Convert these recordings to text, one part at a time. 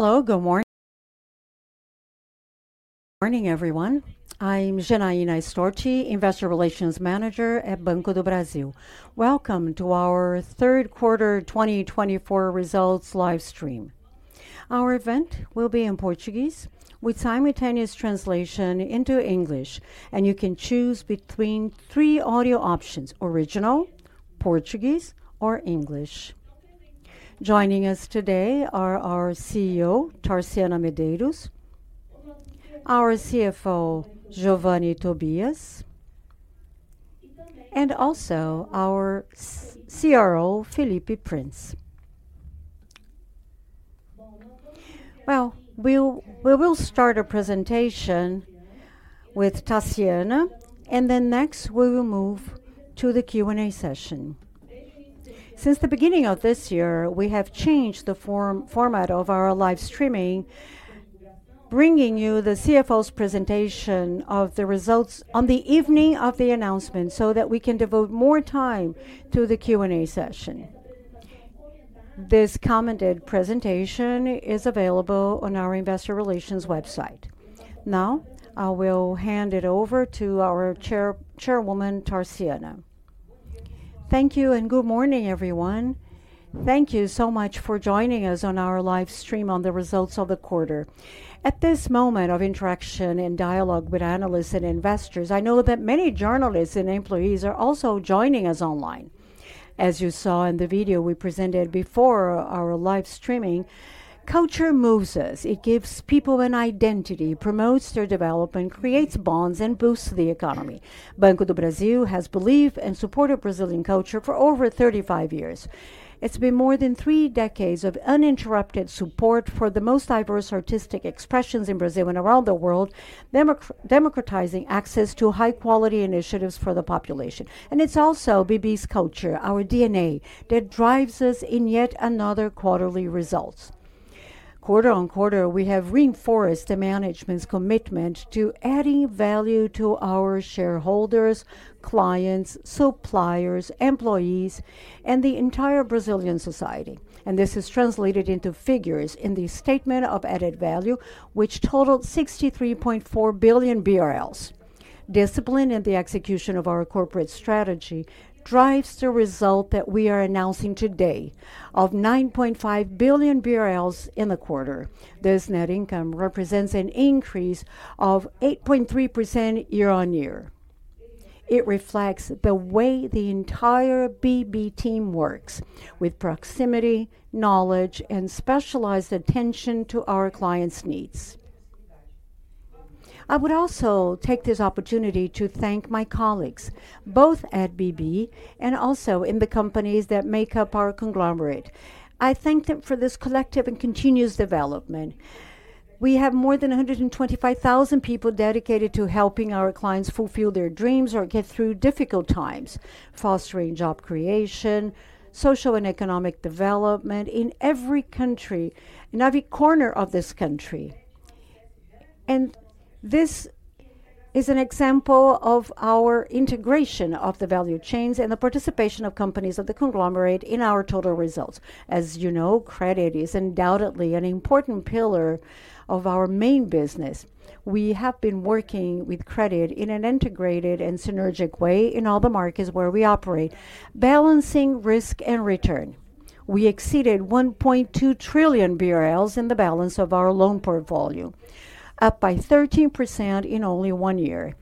Hello, good morning. Morning, everyone. I'm Janaína Storti, Investor Relations Manager at Banco do Brasil. Welcome to our third quarter 2024 results livestream. Our event will be in Portuguese, with simultaneous translation into English, and you can choose between three audio options: original, Portuguese, or English. Joining us today are our CEO, Tarciana Medeiros, our CFO, Geovanne Tobias, and also our CRO, Felipe Prince. We will start our presentation with Tarciana, and then next we will move to the Q&A session. Since the beginning of this year, we have changed the format of our live streaming, bringing you the CFO's presentation of the results on the evening of the announcement so that we can devote more time to the Q&A session. This commented presentation is available on our Investor Relations website. Now, I will hand it over to our Chairwoman, Tarciana. Thank you and good morning, everyone. Thank you so much for joining us on our live stream on the results of the quarter. At this moment of interaction and dialogue with analysts and investors, I know that many journalists and employees are also joining us online. As you saw in the video we presented before our live streaming, culture moves us. It gives people an identity, promotes their development, creates bonds, and boosts the economy. Banco do Brasil has believed and supported Brazilian culture for over 35 years. It's been more than three decades of uninterrupted support for the most diverse artistic expressions in Brazil and around the world, democratizing access to high-quality initiatives for the population. And it's also BB's culture, our DNA, that drives us in yet another quarterly results. Quarter on quarter, we have reinforced the management's commitment to adding value to our shareholders, clients, suppliers, employees, and the entire Brazilian society. And this is translated into figures in the statement of added value, which totaled 63.4 billion BRL. Discipline in the execution of our corporate strategy drives the result that we are announcing today of 9.5 billion BRL in the quarter. This net income represents an increase of 8.3% year on year. It reflects the way the entire BB team works, with proximity, knowledge, and specialized attention to our clients' needs. I would also take this opportunity to thank my colleagues, both at BB and also in the companies that make up our conglomerate. I thank them for this collective and continuous development. We have more than 125,000 people dedicated to helping our clients fulfill their dreams or get through difficult times, fostering job creation, social and economic development in every country, in every corner of this country. This is an example of our integration of the value chains and the participation of companies of the conglomerate in our total results. As you know, credit is undoubtedly an important pillar of our main business. We have been working with credit in an integrated and synergic way in all the markets where we operate, balancing risk and return. We exceeded 1.2 trillion BRL in the balance of our loan portfolio, up by 13% in only one year.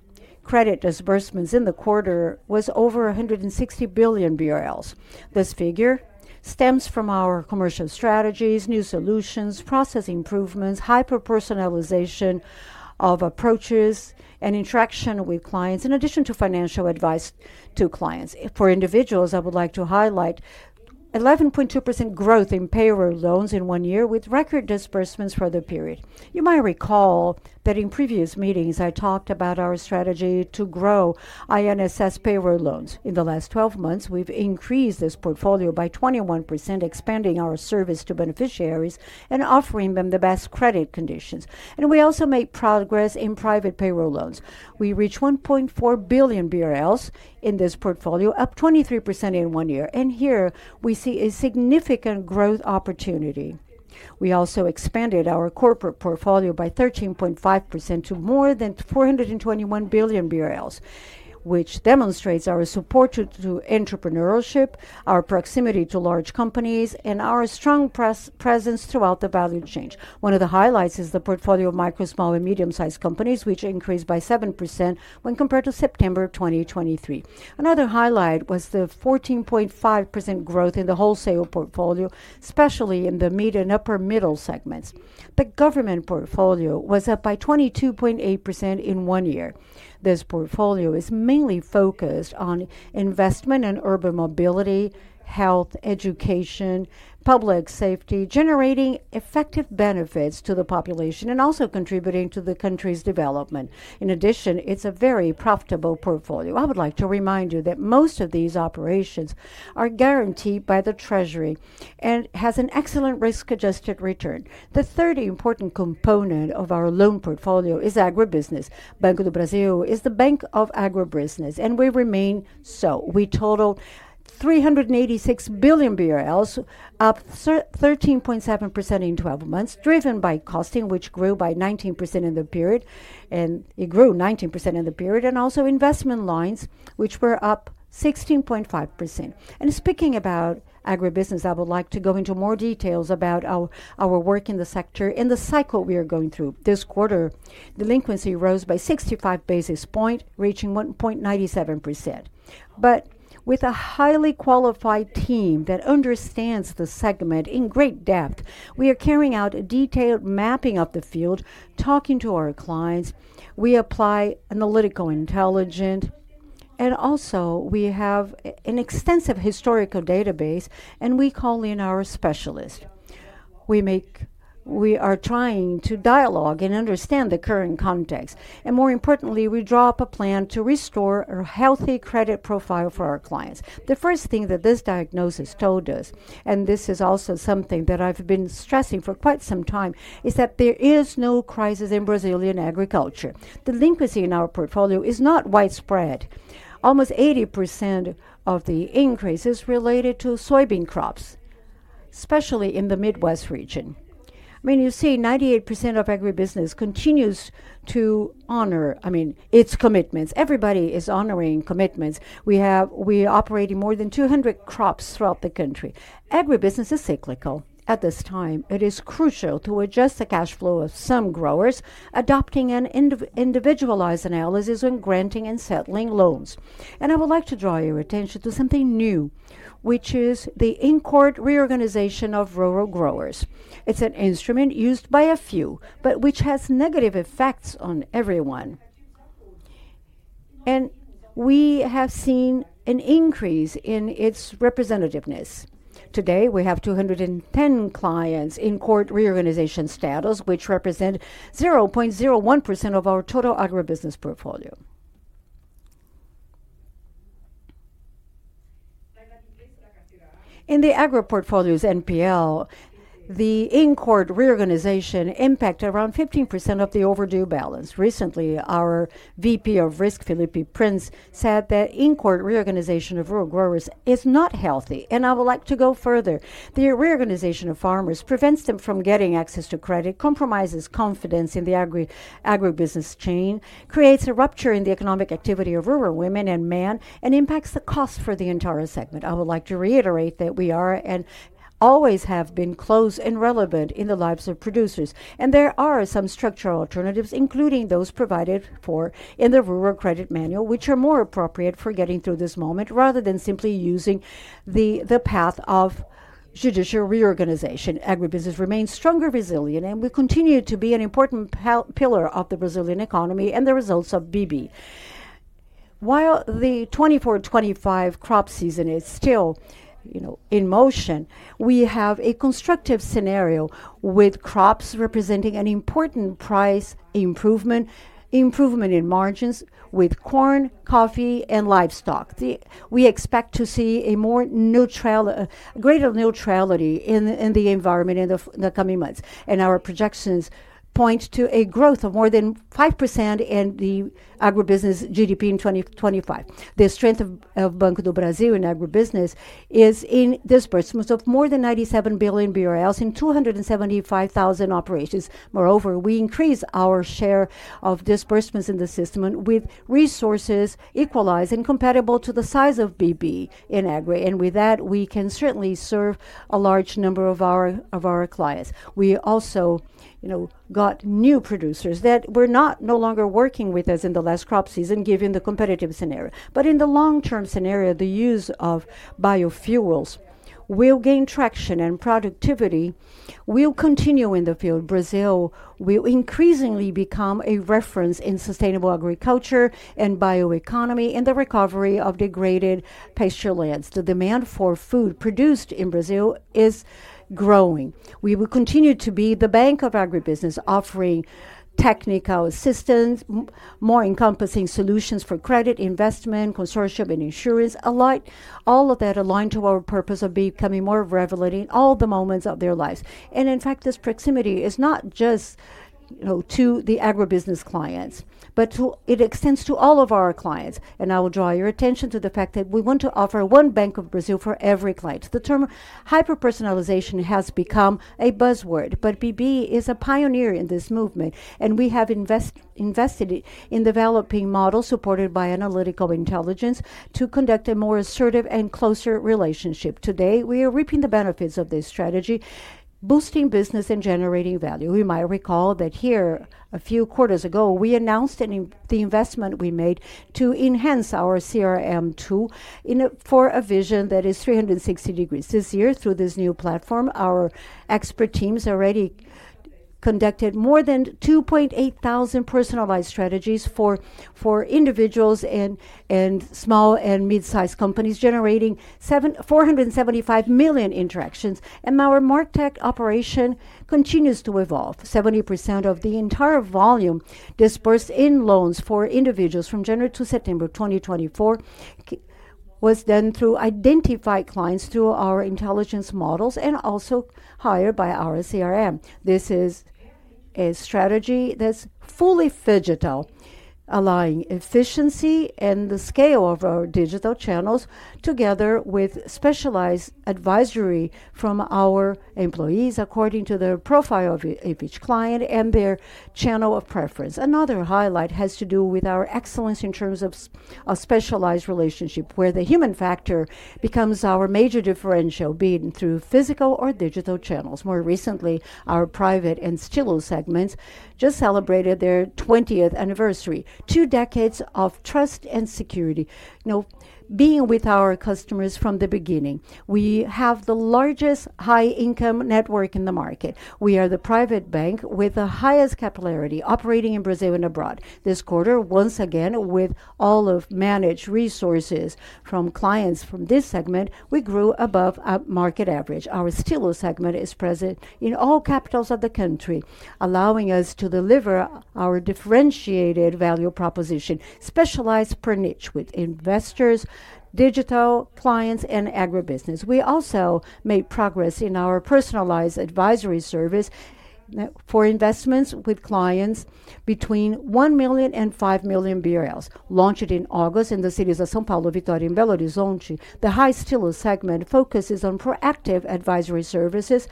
Credit disbursements in the quarter were over 160 billion BRL. This figure stems from our commercial strategies, new solutions, process improvements, hyper-personalization of approaches, and interaction with clients, in addition to financial advice to clients. For individuals, I would like to highlight 11.2% growth in payroll loans in one year, with record disbursements for the period. You might recall that in previous meetings, I talked about our strategy to grow INSS payroll loans. In the last 12 months, we've increased this portfolio by 21%, expanding our service to beneficiaries and offering them the best credit conditions. We also made progress in Private payroll loans. We reached 1.4 billion BRL in this portfolio, up 23% in one year. Here, we see a significant growth opportunity. We also expanded our corporate portfolio by 13.5% to more than 421 billion BRL, which demonstrates our support to entrepreneurship, our proximity to large companies, and our strong presence throughout the value chain. One of the highlights is the portfolio of micro, small, and medium-sized companies, which increased by 7% when compared to September 2023. Another highlight was the 14.5% growth in the wholesale portfolio, especially in the mid and upper-middle segments. The government portfolio was up by 22.8% in one year. This portfolio is mainly focused on investment in urban mobility, health, education, public safety, generating effective benefits to the population and also contributing to the country's development. In addition, it's a very profitable portfolio. I would like to remind you that most of these operations are guaranteed by the Treasury and have an excellent risk-adjusted return. The third important component of our loan portfolio is agribusiness. Banco do Brasil is the Bank of Agribusiness, and we remain so. We totaled 386 billion BRL, up 13.7% in 12 months, driven by costing, which grew by 19% in the period, and also investment lines, which were up 16.5%. Speaking about agribusiness, I would like to go into more details about our work in the sector and the cycle we are going through. This quarter, delinquency rose by 65 basis points, reaching 1.97%, but with a highly qualified team that understands the segment in great depth, we are carrying out a detailed mapping of the field, talking to our clients. We apply analytical intelligence, and also we have an extensive historical database, and we call in our specialists. We are trying to dialogue and understand the current context, and more importantly, we draw up a plan to restore a healthy credit profile for our clients. The first thing that this diagnosis told us, and this is also something that I've been stressing for quite some time, is that there is no crisis in Brazilian agriculture. Delinquency in our portfolio is not widespread. Almost 80% of the increase is related to soybean crops, especially in the Midwest region. I mean, you see 98% of agribusiness continues to honor, I mean, its commitments. Everybody is honoring commitments. We operate in more than 200 crops throughout the country. Agribusiness is cyclical. At this time, it is crucial to adjust the cash flow of some growers, adopting an individualized analysis when granting and settling loans. And I would like to draw your attention to something new, which is the in-court reorganization of rural growers. It's an instrument used by a few, but which has negative effects on everyone. And we have seen an increase in its representativeness. Today, we have 210 clients in court reorganization status, which represents 0.01% of our total agribusiness portfolio. In the agri portfolio's NPL, the in-court reorganization impacted around 15% of the overdue balance. Recently, our VP of Risk, Felipe Prince, said that in-court reorganization of rural growers is not healthy. And I would like to go further. The reorganization of farmers prevents them from getting access to credit, compromises confidence in the agribusiness chain, creates a rupture in the economic activity of rural women and men, and impacts the cost for the entire segment. I would like to reiterate that we are and always have been close and relevant in the lives of producers. And there are some structural alternatives, including those provided for in the Rural Credit Manual, which are more appropriate for getting through this moment rather than simply using the path of judicial reorganization. Agribusiness remains stronger, resilient, and will continue to be an important pillar of the Brazilian economy and the results of BB. While the 24-25 crop season is still in motion, we have a constructive scenario with crops representing an important price improvement, improvement in margins with corn, coffee, and livestock. We expect to see a greater neutrality in the environment in the coming months. Our projections point to a growth of more than 5% in the agribusiness GDP in 2025. The strength of Banco do Brasil in agribusiness is in disbursements of more than 97 billion BRL in 275,000 operations. Moreover, we increase our share of disbursements in the system with resources equalized and compatible to the size of BB in agri. With that, we can certainly serve a large number of our clients. We also got new producers that were no longer working with us in the last crop season, given the competitive scenario. In the long-term scenario, the use of biofuels will gain traction, and productivity will continue in the field. Brazil will increasingly become a reference in sustainable agriculture and bioeconomy in the recovery of degraded pasture lands. The demand for food produced in Brazil is growing. We will continue to be the bank of agribusiness, offering technical assistance, more encompassing solutions for credit, investment, consortium, and insurance, all of that aligned to our purpose of becoming more relevant in all the moments of their lives. And in fact, this proximity is not just to the agribusiness clients, but it extends to all of our clients. And I will draw your attention to the fact that we want to offer one Banco do Brasil for every client. The term hyper-personalization has become a buzzword, but BB is a pioneer in this movement, and we have invested in developing models supported by analytical intelligence to conduct a more assertive and closer relationship. Today, we are reaping the benefits of this strategy, boosting business and generating value. You might recall that here, a few quarters ago, we announced the investment we made to enhance our CRM2 for a vision that is 360 degrees. This year, through this new platform, our expert teams already conducted more than 2,800 personalized strategies for individuals and small and mid-sized companies, generating 475 million interactions, and our martech operation continues to evolve. 70% of the entire volume disbursed in loans for individuals from January to September 2024 was done through identified clients through our intelligence models and also hired by our CRM. This is a strategy that's fully phygital, aligning efficiency and the scale of our digital channels together with specialized advisory from our employees according to the profile of each client and their channel of preference. Another highlight has to do with our excellence in terms of a specialized relationship, where the human factor becomes our major differential, being through physical or digital channels. More recently, our private and Estilo segments just celebrated their 20th anniversary, two decades of trust and security. Being with our customers from the beginning, we have the largest high-income network in the market. We are the private bank with the highest capillarity operating in Brazil and abroad. This quarter, once again, with all of managed resources from clients from this segment, we grew above market average. Our Estilo segment is present in all capitals of the country, allowing us to deliver our differentiated value proposition, specialized per niche with investors, digital clients, and agribusiness. We also made progress in our personalized advisory service for investments with clients between 1 million and 5 million BRL, launched in August in the cities of São Paulo, Vitória and Belo Horizonte. The High Estilo segment focuses on proactive advisory services,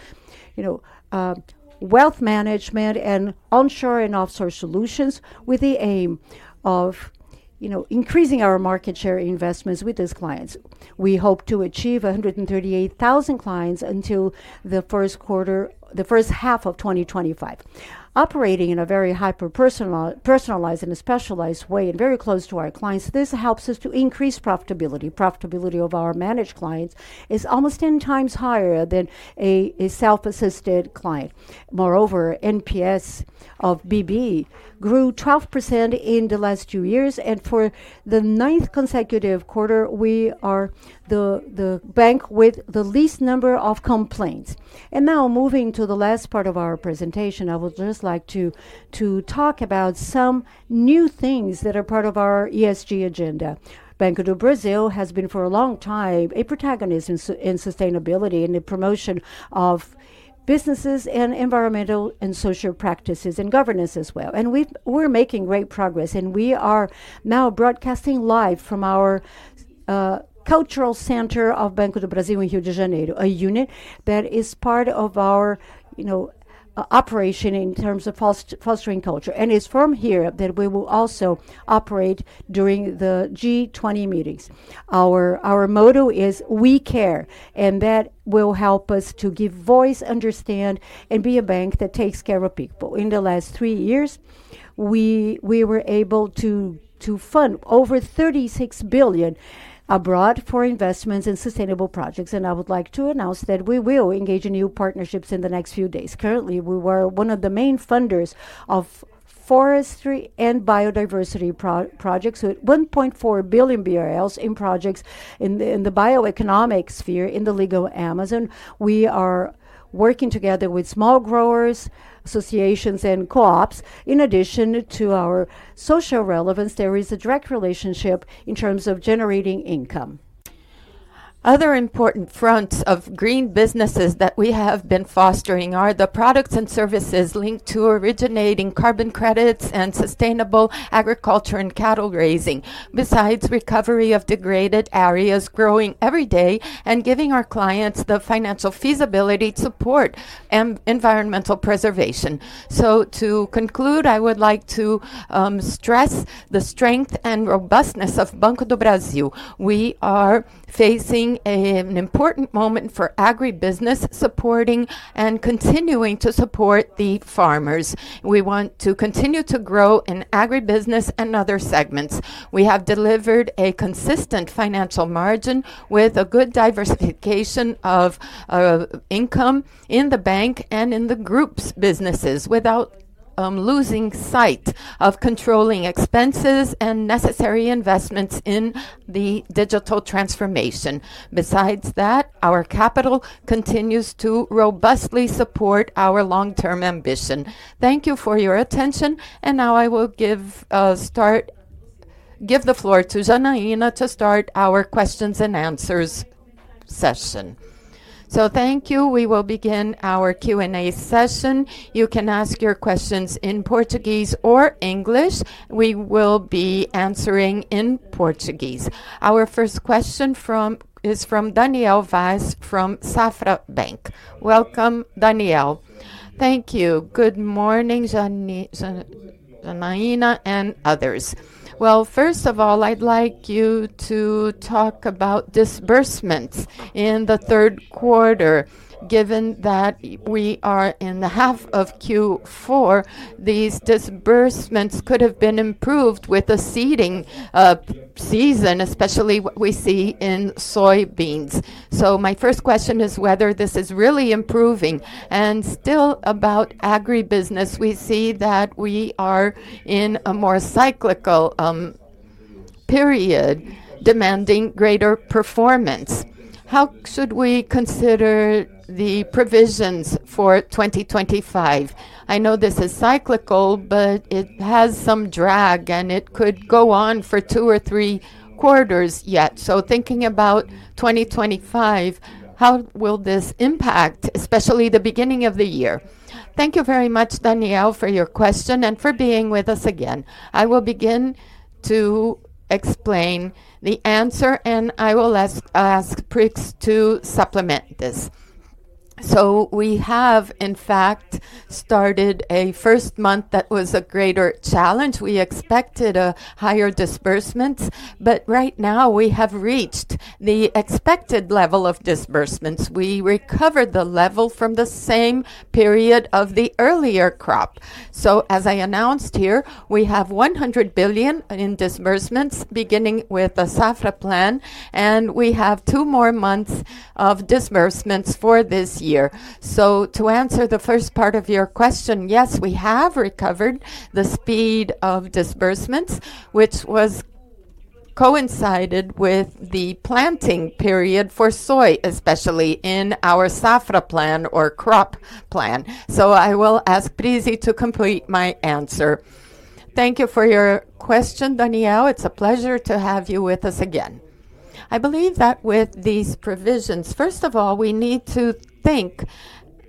wealth management, and onshore and offshore solutions with the aim of increasing our market share investments with these clients. We hope to achieve 138,000 clients until the first quarter, the first half of 2025. Operating in a very hyper-personalized and specialized way and very close to our clients, this helps us to increase profitability. Profitability of our managed clients is almost 10 times higher than a self-assisted client. Moreover, NPS of BB grew 12% in the last two years, and for the ninth consecutive quarter, we are the bank with the least number of complaints. And now, moving to the last part of our presentation, I would just like to talk about some new things that are part of our ESG agenda. Banco do Brasil has been, for a long time, a protagonist in sustainability and the promotion of businesses and environmental and social practices and governance as well. And we're making great progress, and we are now broadcasting live from our cultural center of Banco do Brasil in Rio de Janeiro, a unit that is part of our operation in terms of fostering culture. And it's from here that we will also operate during the G20 meetings. Our motto is, "We care," and that will help us to give voice, understand, and be a bank that takes care of people. In the last three years, we were able to fund over 36 billion abroad for investments in sustainable projects, and I would like to announce that we will engage in new partnerships in the next few days. Currently, we were one of the main funders of forestry and biodiversity projects with 1.4 billion BRL in projects in the bioeconomy sphere in the Legal Amazon. We are working together with small growers, associations, and co-ops. In addition to our social relevance, there is a direct relationship in terms of generating income. Other important fronts of green businesses that we have been fostering are the products and services linked to originating carbon credits and sustainable agriculture and cattle grazing, besides recovery of degraded areas growing every day and giving our clients the financial feasibility to support environmental preservation. So, to conclude, I would like to stress the strength and robustness of Banco do Brasil. We are facing an important moment for agribusiness supporting and continuing to support the farmers. We want to continue to grow in agribusiness and other segments. We have delivered a consistent financial margin with a good diversification of income in the bank and in the group's businesses without losing sight of controlling expenses and necessary investments in the digital transformation. Besides that, our capital continues to robustly support our long-term ambition. Thank you for your attention, and now I will give the floor to Janaína to start our questions and answers session. So, thank you. We will begin our Q&A session. You can ask your questions in Portuguese or English. We will be answering in Portuguese. Our first question is from Daniel Vaz from Banco Safra. Welcome, Daniel. Thank you. Good morning, Janaína and others. First of all, I'd like you to talk about disbursements in the third quarter. Given that we are in the half of Q4, these disbursements could have been improved with a seeding season, especially what we see in soybeans. My first question is whether this is really improving. Still about agribusiness, we see that we are in a more cyclical period demanding greater performance. How should we consider the provisions for 2025? I know this is cyclical, but it has some drag, and it could go on for two or three quarters yet. Thinking about 2025, how will this impact, especially the beginning of the year? Thank you very much, Daniel, for your question and for being with us again. I will begin to explain the answer, and I will ask Prince to supplement this. So, we have, in fact, started a first month that was a greater challenge. We expected a higher disbursement, but right now, we have reached the expected level of disbursements. We recovered the level from the same period of the earlier crop. So, as I announced here, we have 100 billion in disbursements beginning with the Safra Plan, and we have two more months of disbursements for this year. So, to answer the first part of your question, yes, we have recovered the speed of disbursements, which coincided with the planting period for soy, especially in our Safra Plan or Crop Plan. So, I will ask Prince to complete my answer. Thank you for your question, Daniel. It's a pleasure to have you with us again. I believe that with these provisions, first of all, we need to think,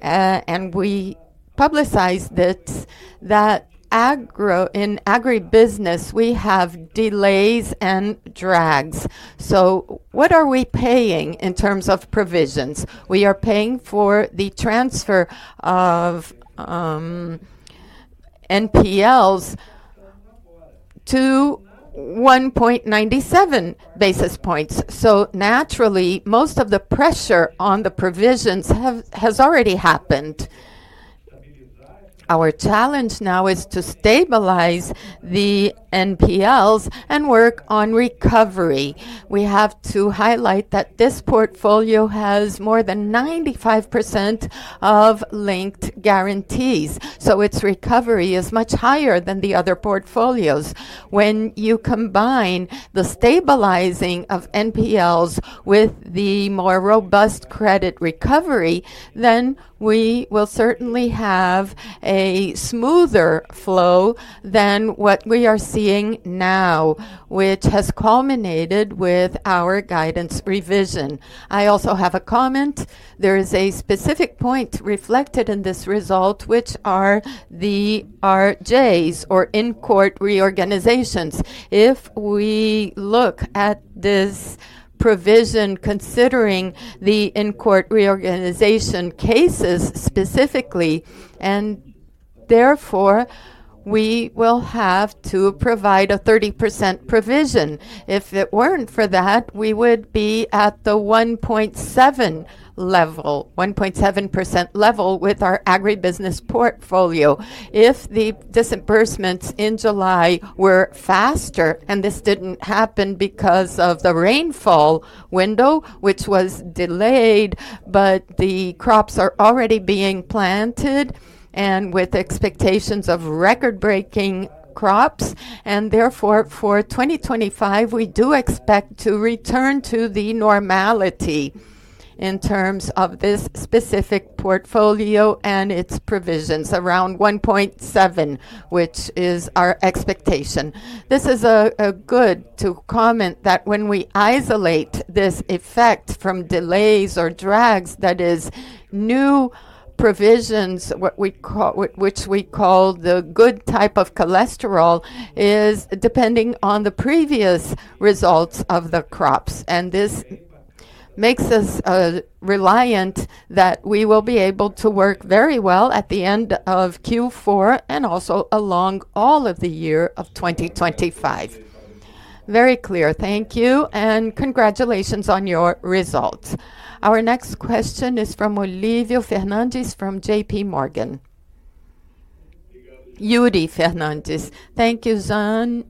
and we publicize this, that in agribusiness, we have delays and drags. So, what are we paying in terms of provisions? We are paying for the transfer of NPLs to 1.97 basis points. So, naturally, most of the pressure on the provisions has already happened. Our challenge now is to stabilize the NPLs and work on recovery. We have to highlight that this portfolio has more than 95% of linked guarantees, so its recovery is much higher than the other portfolios. When you combine the stabilizing of NPLs with the more robust credit recovery, then we will certainly have a smoother flow than what we are seeing now, which has culminated with our guidance revision. I also have a comment. There is a specific point reflected in this result, which are the RJs or in-court reorganizations. If we look at this provision, considering the in-court reorganization cases specifically, and therefore, we will have to provide a 30% provision. If it weren't for that, we would be at the 1.7% level with our agribusiness portfolio if the disbursements in July were faster, and this didn't happen because of the rainfall window, which was delayed, but the crops are already being planted and with expectations of record-breaking crops, and therefore, for 2025, we do expect to return to the normality in terms of this specific portfolio and its provisions around 1.7, which is our expectation. This is good to comment that when we isolate this effect from delays or drags, that is, new provisions, which we call the good type of cholesterol, is depending on the previous results of the crops. This makes us reliant that we will be able to work very well at the end of Q4 and also along all of the year of 2025. Very clear. Thank you, and congratulations on your results. Our next question is from Yuri Fernandes from J.P. Morgan. Yuri Fernandes, thank you, Janaína.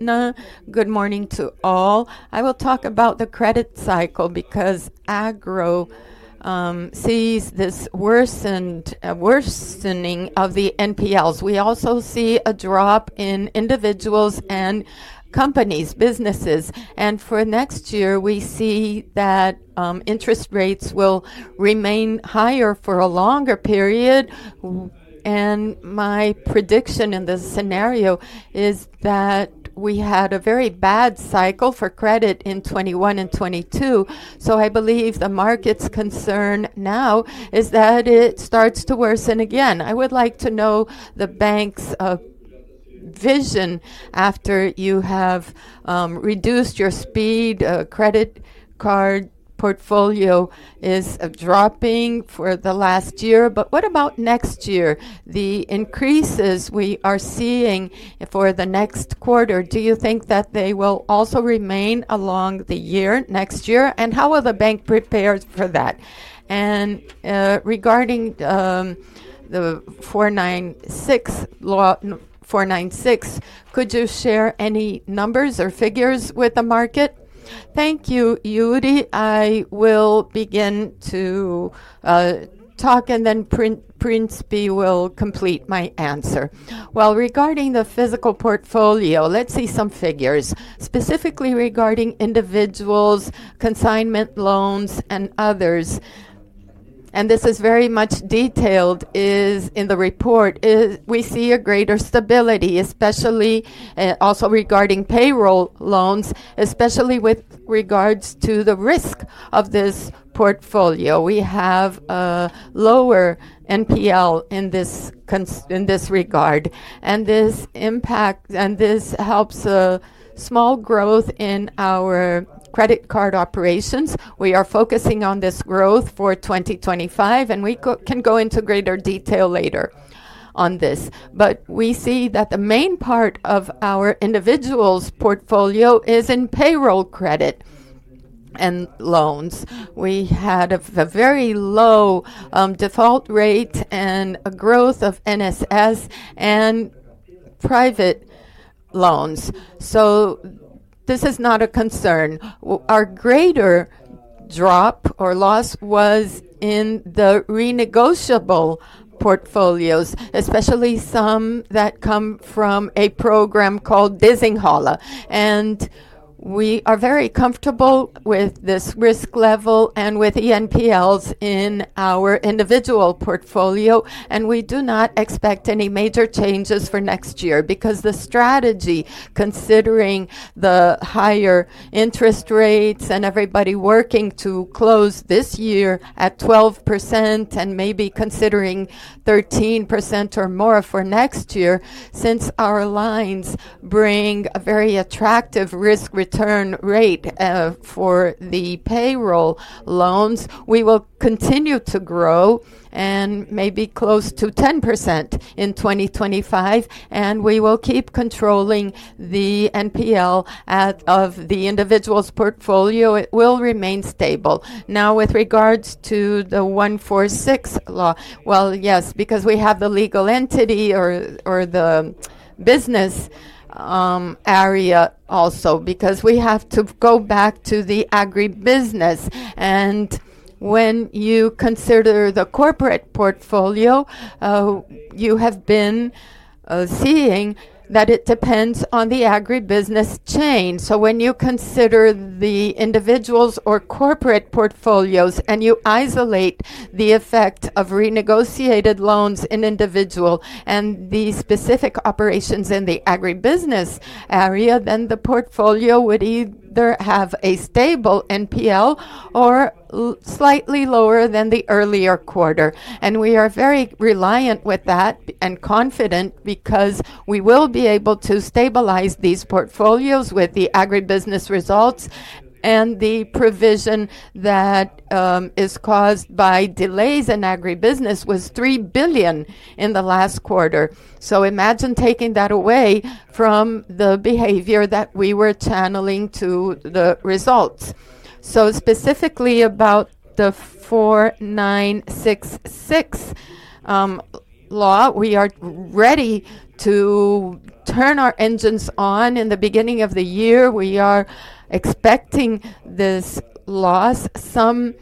Good morning to all. I will talk about the credit cycle because agro sees this worsening of the NPLs. We also see a drop in individuals and companies, businesses. For next year, we see that interest rates will remain higher for a longer period. My prediction in this scenario is that we had a very bad cycle for credit in 2021 and 2022. I believe the market's concern now is that it starts to worsen again. I would like to know the bank's vision after you have reduced your speed. Credit card portfolio is dropping for the last year, but what about next year? The increases we are seeing for the next quarter, do you think that they will also remain along the year next year? And how will the bank prepare for that? And regarding the 4,966, could you share any numbers or figures with the market? Thank you, Yuri. I will begin to talk, and then Prince will complete my answer. Well, regarding the physical portfolio, let's see some figures. Specifically regarding individuals, consignment loans, and others, and this is very much detailed in the report, we see a greater stability, especially also regarding payroll loans, especially with regards to the risk of this portfolio. We have a lower NPL in this regard, and this helps small growth in our credit card operations. We are focusing on this growth for 2025, and we can go into greater detail later on this. But we see that the main part of our individuals' portfolio is in payroll credit and loans. We had a very low default rate and a growth of INSS and private loans. So, this is not a concern. Our greater drop or loss was in the renegotiable portfolios, especially some that come from a program called Desenrola Brasil. We are very comfortable with this risk level and with the NPLs in our individual portfolio, and we do not expect any major changes for next year because the strategy, considering the higher interest rates and everybody working to close this year at 12% and maybe considering 13% or more for next year, since our lines bring a very attractive risk-return rate for the payroll loans, we will continue to grow and maybe close to 10% in 2025, and we will keep controlling the NPL of the individuals' portfolio. It will remain stable. Now, with regards to the 4966 law, well, yes, because we have the legal entity or the business area also because we have to go back to the agribusiness. When you consider the corporate portfolio, you have been seeing that it depends on the agribusiness chain. When you consider the individuals' or corporate portfolios and you isolate the effect of renegotiated loans in individuals and the specific operations in the agribusiness area, then the portfolio would either have a stable NPL or slightly lower than the earlier quarter. We are very aligned with that and confident because we will be able to stabilize these portfolios with the agribusiness results. The provision that is caused by delays in agribusiness was 3 billion in the last quarter. Imagine taking that away from the behavior that we were channeling to the results. Specifically about the 4966 Rule, we are ready to turn our engines on in the beginning of the year. We are expecting this loss. Some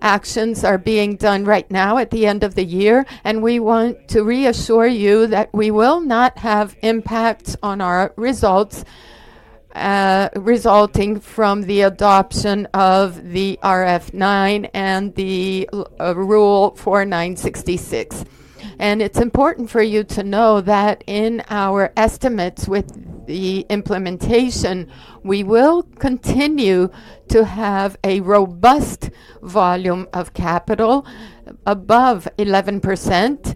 actions are being done right now at the end of the year, and we want to reassure you that we will not have impacts on our results resulting from the adoption of the IFRS 9 and the 4,966 rule. It's important for you to know that in our estimates with the implementation, we will continue to have a robust volume of capital above 11%,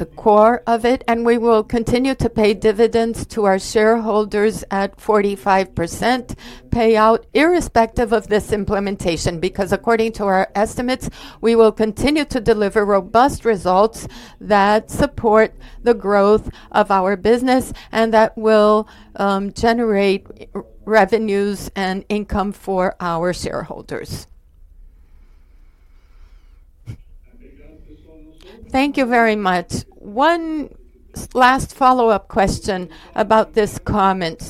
the core of it, and we will continue to pay dividends to our shareholders at 45% payout irrespective of this implementation because, according to our estimates, we will continue to deliver robust results that support the growth of our business and that will generate revenues and income for our shareholders. Thank you very much. One last follow-up question about this comment.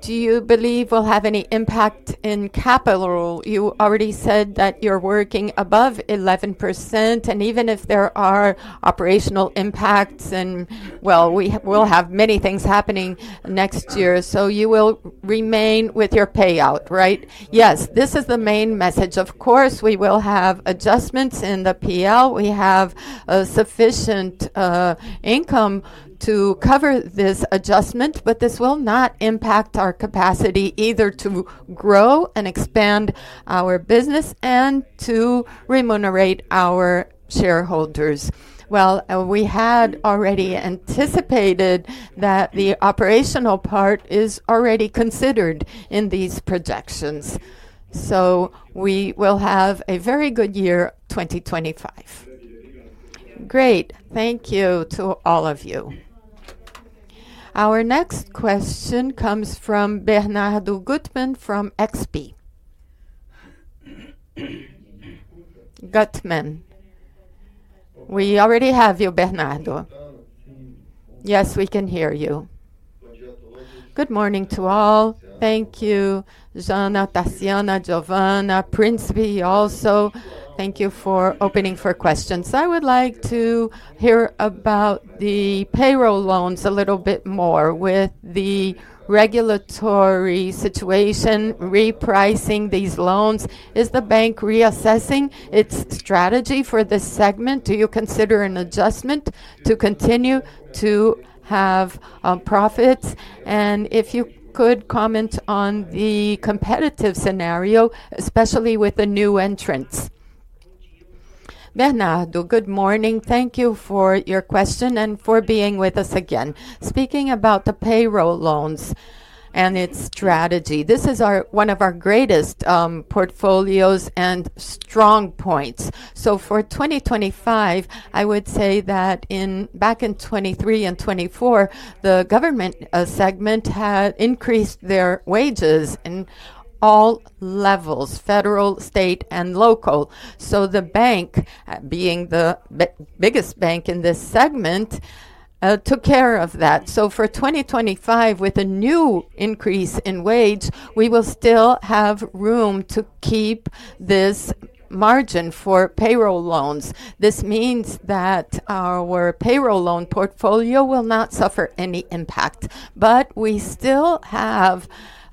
Do you believe we'll have any impact in capital? You already said that you're working above 11%, and even if there are operational impacts and, well, we will have many things happening next year, so you will remain with your payout, right? Yes, this is the main message. Of course, we will have adjustments in the PL. We have sufficient income to cover this adjustment, but this will not impact our capacity either to grow and expand our business and to remunerate our shareholders. We had already anticipated that the operational part is already considered in these projections. So, we will have a very good year 2025. Great. Thank you to all of you. Our next question comes from Bernardo Guttmann from XP Investimentos. Guttmann. We already have you, Bernardo. Yes, we can hear you. Good morning to all. Thank you, Janaína, Tarciana, Geovanne, Prince also. Thank you for opening for questions. I would like to hear about the payroll loans a little bit more with the regulatory situation, repricing these loans. Is the bank reassessing its strategy for this segment? Do you consider an adjustment to continue to have profits? And if you could comment on the competitive scenario, especially with the new entrants. Bernardo, good morning. Thank you for your question and for being with us again. Speaking about the payroll loans and its strategy, this is one of our greatest portfolios and strong points. So, for 2025, I would say that back in 2023 and 2024, the government segment had increased their wages in all levels, federal, state, and local. So, the bank, being the biggest bank in this segment, took care of that. So, for 2025, with a new increase in wage, we will still have room to keep this margin for payroll loans. This means that our payroll loan portfolio will not suffer any impact, but we still have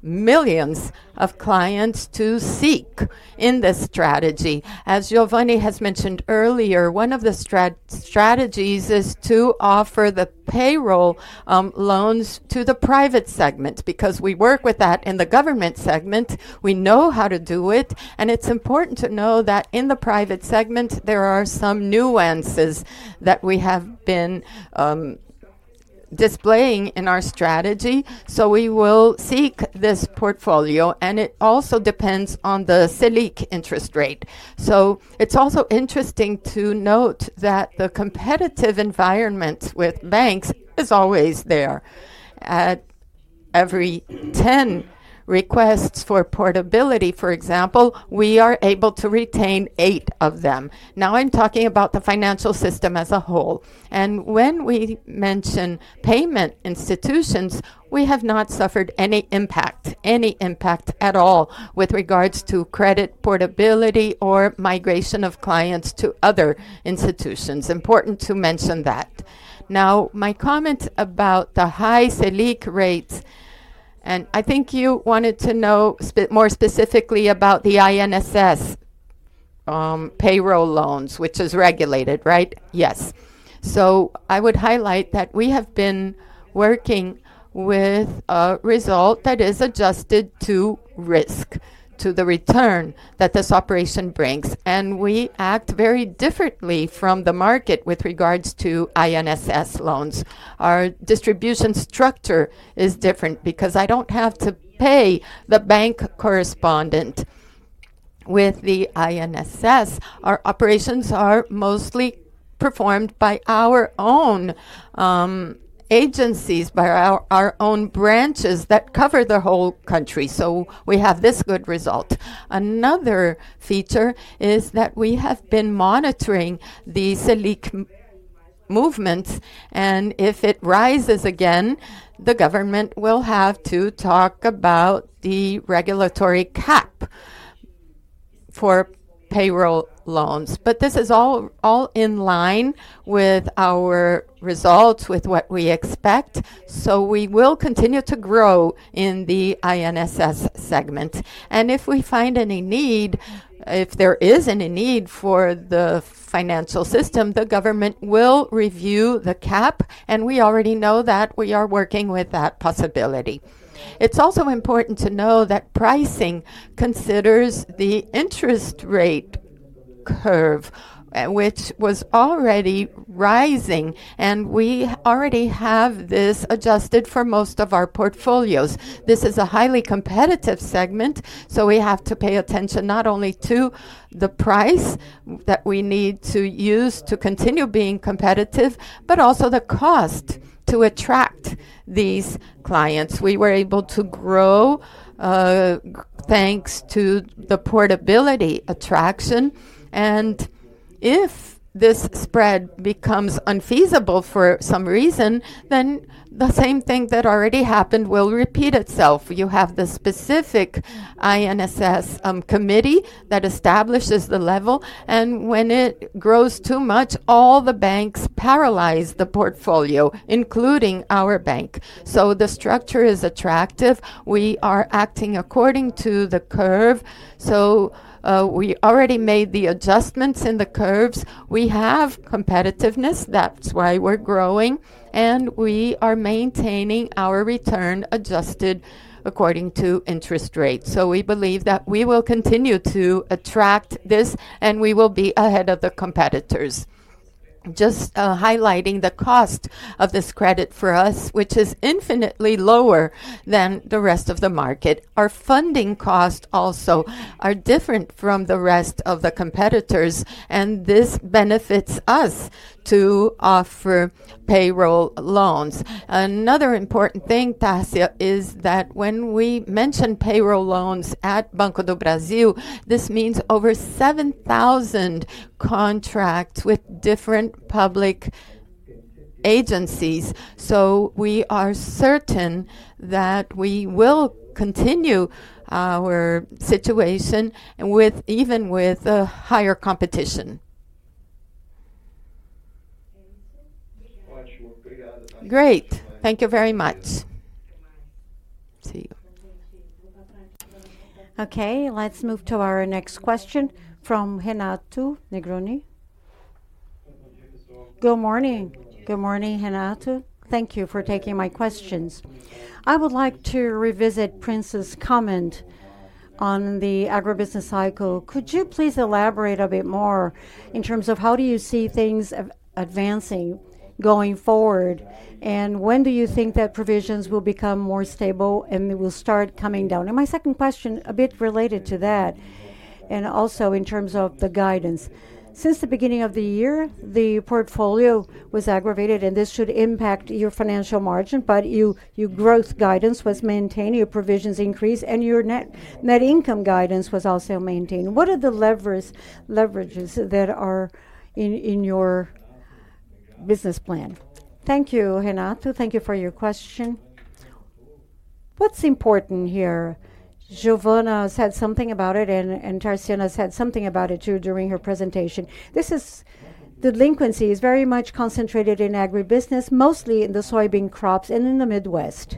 millions of clients to seek in this strategy. As Geovanne has mentioned earlier, one of the strategies is to offer the payroll loans to the private segment because we work with that in the government segment. We know how to do it, and it's important to know that in the private segment, there are some nuances that we have been displaying in our strategy, so we will seek this portfolio, and it also depends on the Selic interest rate, so it's also interesting to note that the competitive environment with banks is always there. At every 10 requests for portability, for example, we are able to retain eight of them. Now, I'm talking about the financial system as a whole. When we mention payment institutions, we have not suffered any impact, any impact at all with regards to credit portability or migration of clients to other institutions. Important to mention that. Now, my comment about the high Selic rates, and I think you wanted to know more specifically about the INSS payroll loans, which is regulated, right? Yes. I would highlight that we have been working with a result that is adjusted to risk, to the return that this operation brings. We act very differently from the market with regards to INSS loans. Our distribution structure is different because I don't have to pay the bank correspondent with the INSS. Our operations are mostly performed by our own agencies, by our own branches that cover the whole country. We have this good result. Another feature is that we have been monitoring the Selic movements, and if it rises again, the government will have to talk about the regulatory cap for payroll loans, but this is all in line with our results, with what we expect, so we will continue to grow in the INSS segment, and if we find any need, if there is any need for the financial system, the government will review the cap, and we already know that we are working with that possibility. It's also important to know that pricing considers the interest rate curve, which was already rising, and we already have this adjusted for most of our portfolios. This is a highly competitive segment, so we have to pay attention not only to the price that we need to use to continue being competitive, but also the cost to attract these clients. We were able to grow thanks to the portability attraction. And if this spread becomes unfeasible for some reason, then the same thing that already happened will repeat itself. You have the specific INSS committee that establishes the level, and when it grows too much, all the banks paralyze the portfolio, including our bank. So, the structure is attractive. We are acting according to the curve. So, we already made the adjustments in the curves. We have competitiveness. That's why we're growing, and we are maintaining our return adjusted according to interest rates. So, we believe that we will continue to attract this, and we will be ahead of the competitors. Just highlighting the cost of this credit for us, which is infinitely lower than the rest of the market. Our funding costs also are different from the rest of the competitors, and this benefits us to offer payroll loans. Another important thing, Tarci, is that when we mention payroll loans at Banco do Brasil, this means over 7,000 contracts with different public agencies. So, we are certain that we will continue our situation even with higher competition. Great. Thank you very much. See you. Okay, let's move to our next question from Renato Meloni. Good morning. Good morning, Renato. Thank you for taking my questions. I would like to revisit Prince's comment on the agribusiness cycle. Could you please elaborate a bit more in terms of how do you see things advancing going forward, and when do you think that provisions will become more stable and will start coming down? And my second question, a bit related to that, and also in terms of the guidance. Since the beginning of the year, the portfolio was aggravated, and this should impact your financial margin, but your growth guidance was maintained, your provisions increased, and your net income guidance was also maintained. What are the leverages that are in your business plan? Thank you, Renato. Thank you for your question. What's important here? Geovanne said something about it, and Tarciana said something about it too during her presentation. This delinquency is very much concentrated in agribusiness, mostly in the soybean crops and in the Midwest.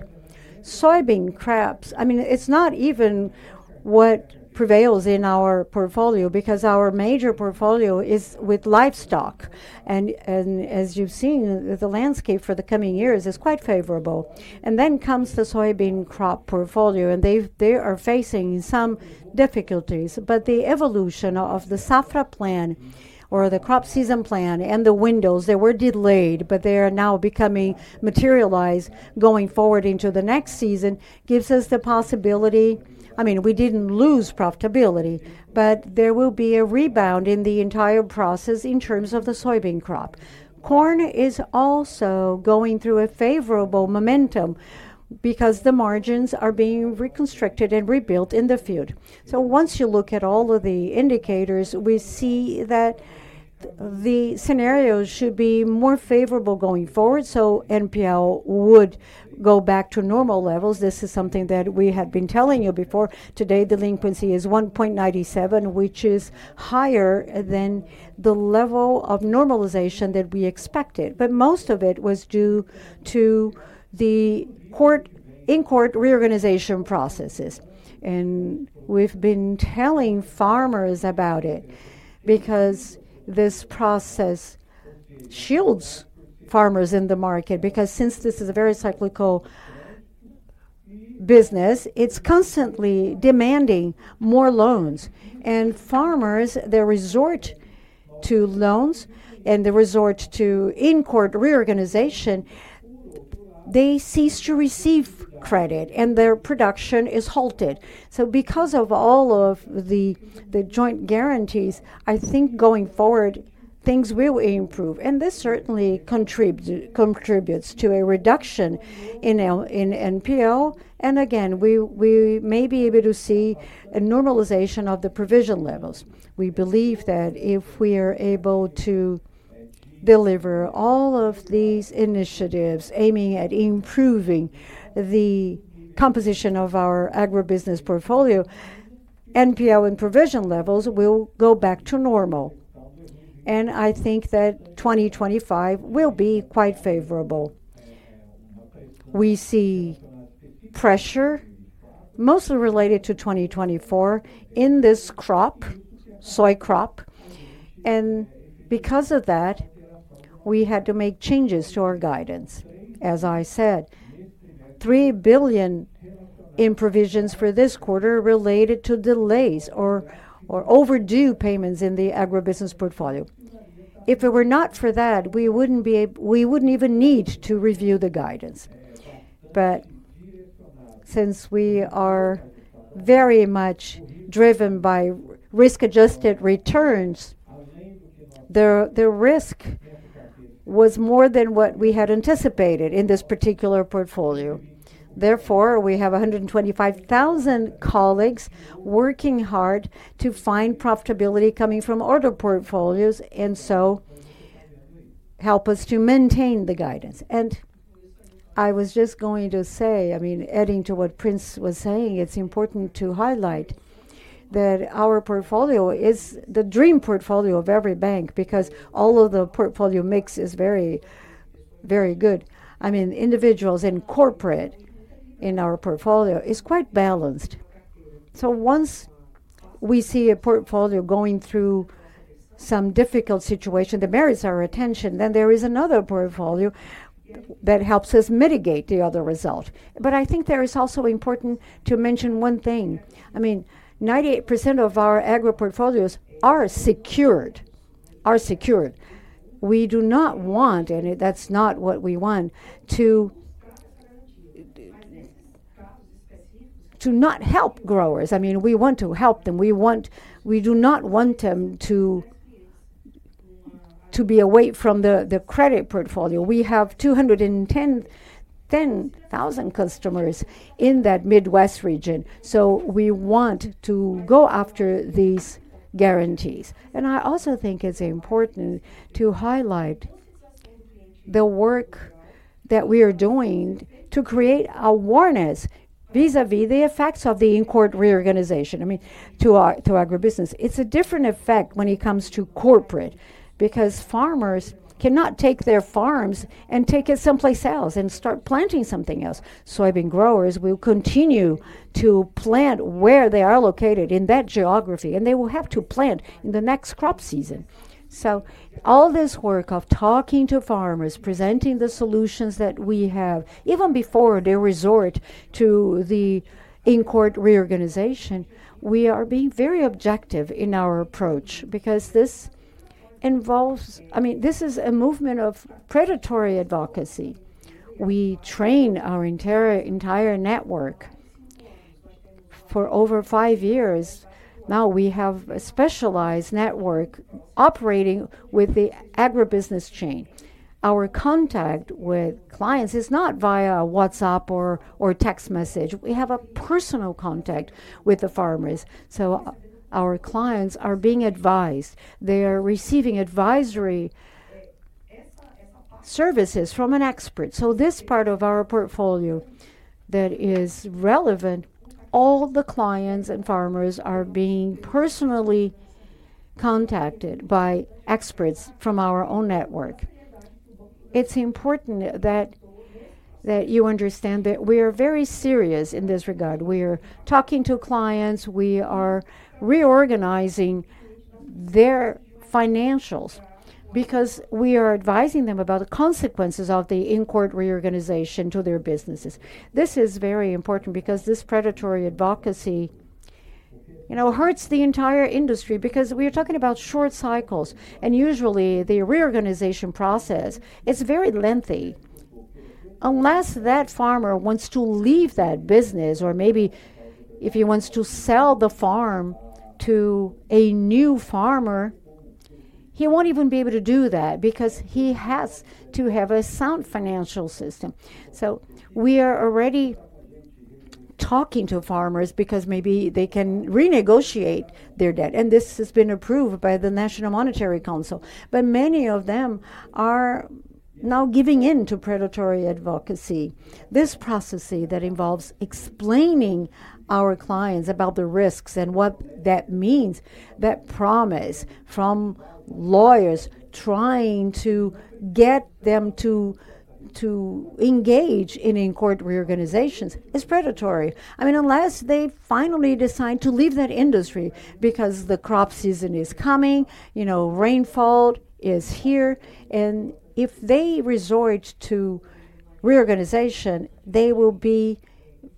Soybean crops, I mean, it's not even what prevails in our portfolio because our major portfolio is with livestock. And as you've seen, the landscape for the coming years is quite favorable. And then comes the soybean crop portfolio, and they are facing some difficulties. But the evolution of the Safra plan or the crop season plan and the windows that were delayed, but they are now becoming materialized going forward into the next season, gives us the possibility. I mean, we didn't lose profitability, but there will be a rebound in the entire process in terms of the soybean crop. Corn is also going through a favorable momentum because the margins are being reconstructed and rebuilt in the field. So, once you look at all of the indicators, we see that the scenarios should be more favorable going forward. So, NPL would go back to normal levels. This is something that we had been telling you before. Today, delinquency is 1.97%, which is higher than the level of normalization that we expected. But most of it was due to the in-court reorganization processes. We've been telling farmers about it because this process shields farmers in the market because since this is a very cyclical business, it's constantly demanding more loans. Farmers resort to loans and resort to in-court reorganization. They cease to receive credit, and their production is halted. Because of all of the joint guarantees, I think going forward, things will improve. This certainly contributes to a reduction in NPL. Again, we may be able to see a normalization of the provision levels. We believe that if we are able to deliver all of these initiatives aiming at improving the composition of our agribusiness portfolio, NPL and provision levels will go back to normal. I think that 2025 will be quite favorable. We see pressure mostly related to 2024 in this crop, soy crop. And because of that, we had to make changes to our guidance. As I said, 3 billion in provisions for this quarter related to delays or overdue payments in the agribusiness portfolio. If it were not for that, we wouldn't even need to review the guidance. But since we are very much driven by risk-adjusted returns, the risk was more than what we had anticipated in this particular portfolio. Therefore, we have 125,000 colleagues working hard to find profitability coming from other portfolios, and so help us to maintain the guidance. And I was just going to say, I mean, adding to what Prince was saying, it's important to highlight that our portfolio is the dream portfolio of every bank because all of the portfolio mix is very, very good. I mean, individuals and corporate in our portfolio is quite balanced. So, once we see a portfolio going through some difficult situation that merits our attention, then there is another portfolio that helps us mitigate the other result. But I think there is also important to mention one thing. I mean, 98% of our agro portfolios are secured. We do not want, and that's not what we want, to not help growers. I mean, we want to help them. We do not want them to be away from the credit portfolio. We have 210,000 customers in that Midwest region. So, we want to go after these guarantees. And I also think it's important to highlight the work that we are doing to create awareness vis-à-vis the effects of the in-court reorganization, I mean, to agribusiness. It's a different effect when it comes to corporate because farmers cannot take their farms and take it someplace else and start planting something else. Soybean growers will continue to plant where they are located in that geography, and they will have to plant in the next crop season. All this work of talking to farmers, presenting the solutions that we have, even before they resort to the in-court reorganization, we are being very objective in our approach because this involves, I mean, this is a movement of predatory advocacy. We train our entire network for over five years. Now, we have a specialized network operating with the agribusiness chain. Our contact with clients is not via WhatsApp or text message. We have a personal contact with the farmers. Our clients are being advised. They are receiving advisory services from an expert. This part of our portfolio that is relevant, all the clients and farmers are being personally contacted by experts from our own network. It's important that you understand that we are very serious in this regard. We are talking to clients. We are reorganizing their financials because we are advising them about the consequences of the in-court reorganization to their businesses. This is very important because this predatory advocacy, you know, hurts the entire industry because we are talking about short cycles, and usually, the reorganization process, it's very lengthy. Unless that farmer wants to leave that business, or maybe if he wants to sell the farm to a new farmer, he won't even be able to do that because he has to have a sound financial system, so we are already talking to farmers because maybe they can renegotiate their debt. And this has been approved by the National Monetary Council, but many of them are now giving in to predatory advocacy. This process that involves explaining our clients about the risks and what that means, that promise from lawyers trying to get them to engage in in-court reorganizations is predatory. I mean, unless they finally decide to leave that industry because the crop season is coming, you know, rainfall is here, and if they resort to reorganization, they will be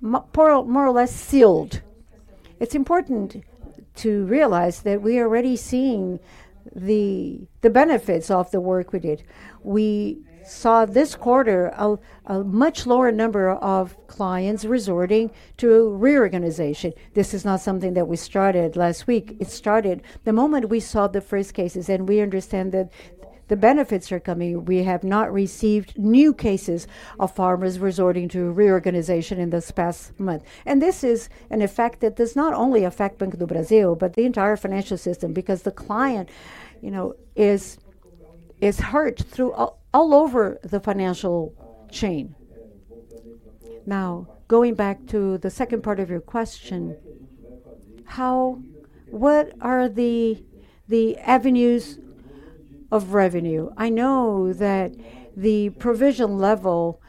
more or less sealed. It's important to realize that we are already seeing the benefits of the work we did. We saw this quarter a much lower number of clients resorting to reorganization. This is not something that we started last week. It started the moment we saw the first cases, and we understand that the benefits are coming. We have not received new cases of farmers resorting to reorganization in this past month. And this is an effect that does not only affect Banco do Brasil, but the entire financial system because the client, you know, is hurt all over the financial chain. Now, going back to the second part of your question, what are the avenues of revenue? I know that the provision level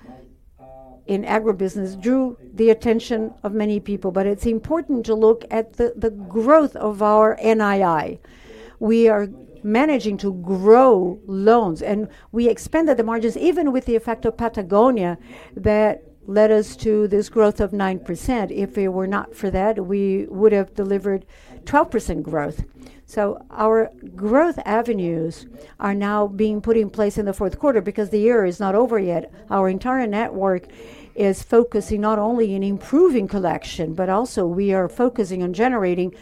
in agribusiness drew the attention of many people, but it's important to look at the growth of our NII. We are managing to grow loans, and we expanded the margins even with the effect of Patagonia that led us to this growth of 9%. If it were not for that, we would have delivered 12% growth. So, our growth avenues are now being put in place in the fourth quarter because the year is not over yet. Our entire network is focusing not only on improving collection, but also we are focusing on generating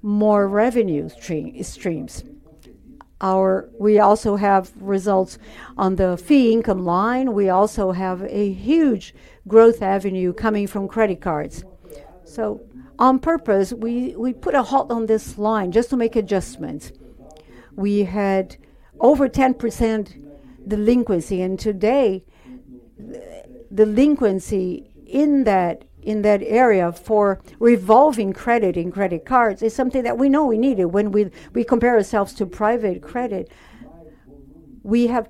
more revenue streams. We also have results on the fee income line. We also have a huge growth avenue coming from credit cards. So, on purpose, we put a halt on this line just to make adjustments. We had over 10% delinquency, and today, delinquency in that area for revolving credit and credit cards is something that we know we needed. When we compare ourselves to private credit, we have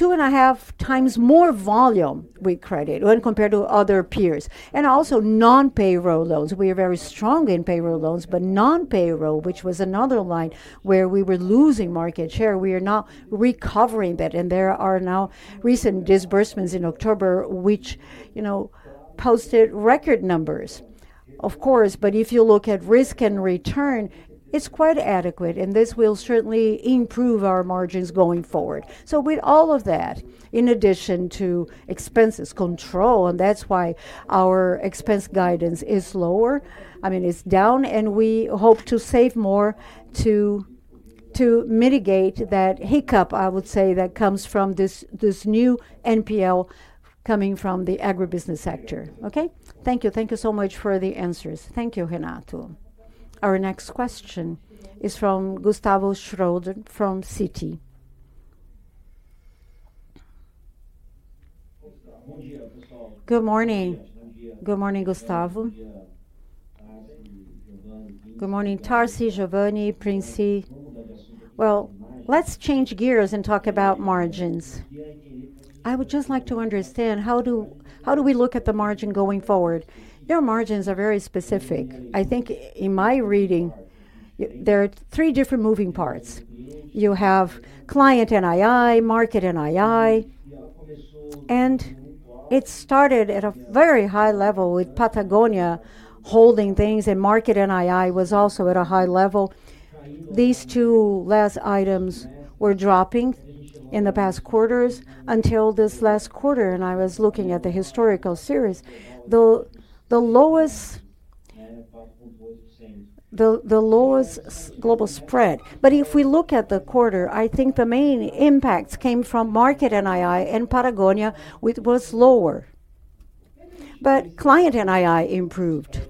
two and a half times more volume with credit when compared to other peers. And also non-payroll loans. We are very strong in payroll loans, but non-payroll, which was another line where we were losing market share, we are now recovering that. And there are now recent disbursements in October, which, you know, posted record numbers, of course. But if you look at risk and return, it's quite adequate, and this will certainly improve our margins going forward. With all of that, in addition to expenses control, and that's why our expense guidance is lower, I mean, it's down, and we hope to save more to mitigate that hiccup, I would say, that comes from this new NPL coming from the agribusiness sector. Okay? Thank you. Thank you so much for the answers. Thank you, Renato. Our next question is from Gustavo Schroden from Citi. Good morning. Good morning, Gustavo. Good morning, Tarci, Geovanne, Prince. Well, let's change gears and talk about margins. I would just like to understand how do we look at the margin going forward. Your margins are very specific. I think in my reading, there are three different moving parts. You have client NII, market NII, and it started at a very high level with Patagonia holding things, and market NII was also at a high level. These two last items were dropping in the past quarters until this last quarter, and I was looking at the historical series. The lowest global spread, but if we look at the quarter, I think the main impact came from market NII, and Patagonia was lower, but client NII improved.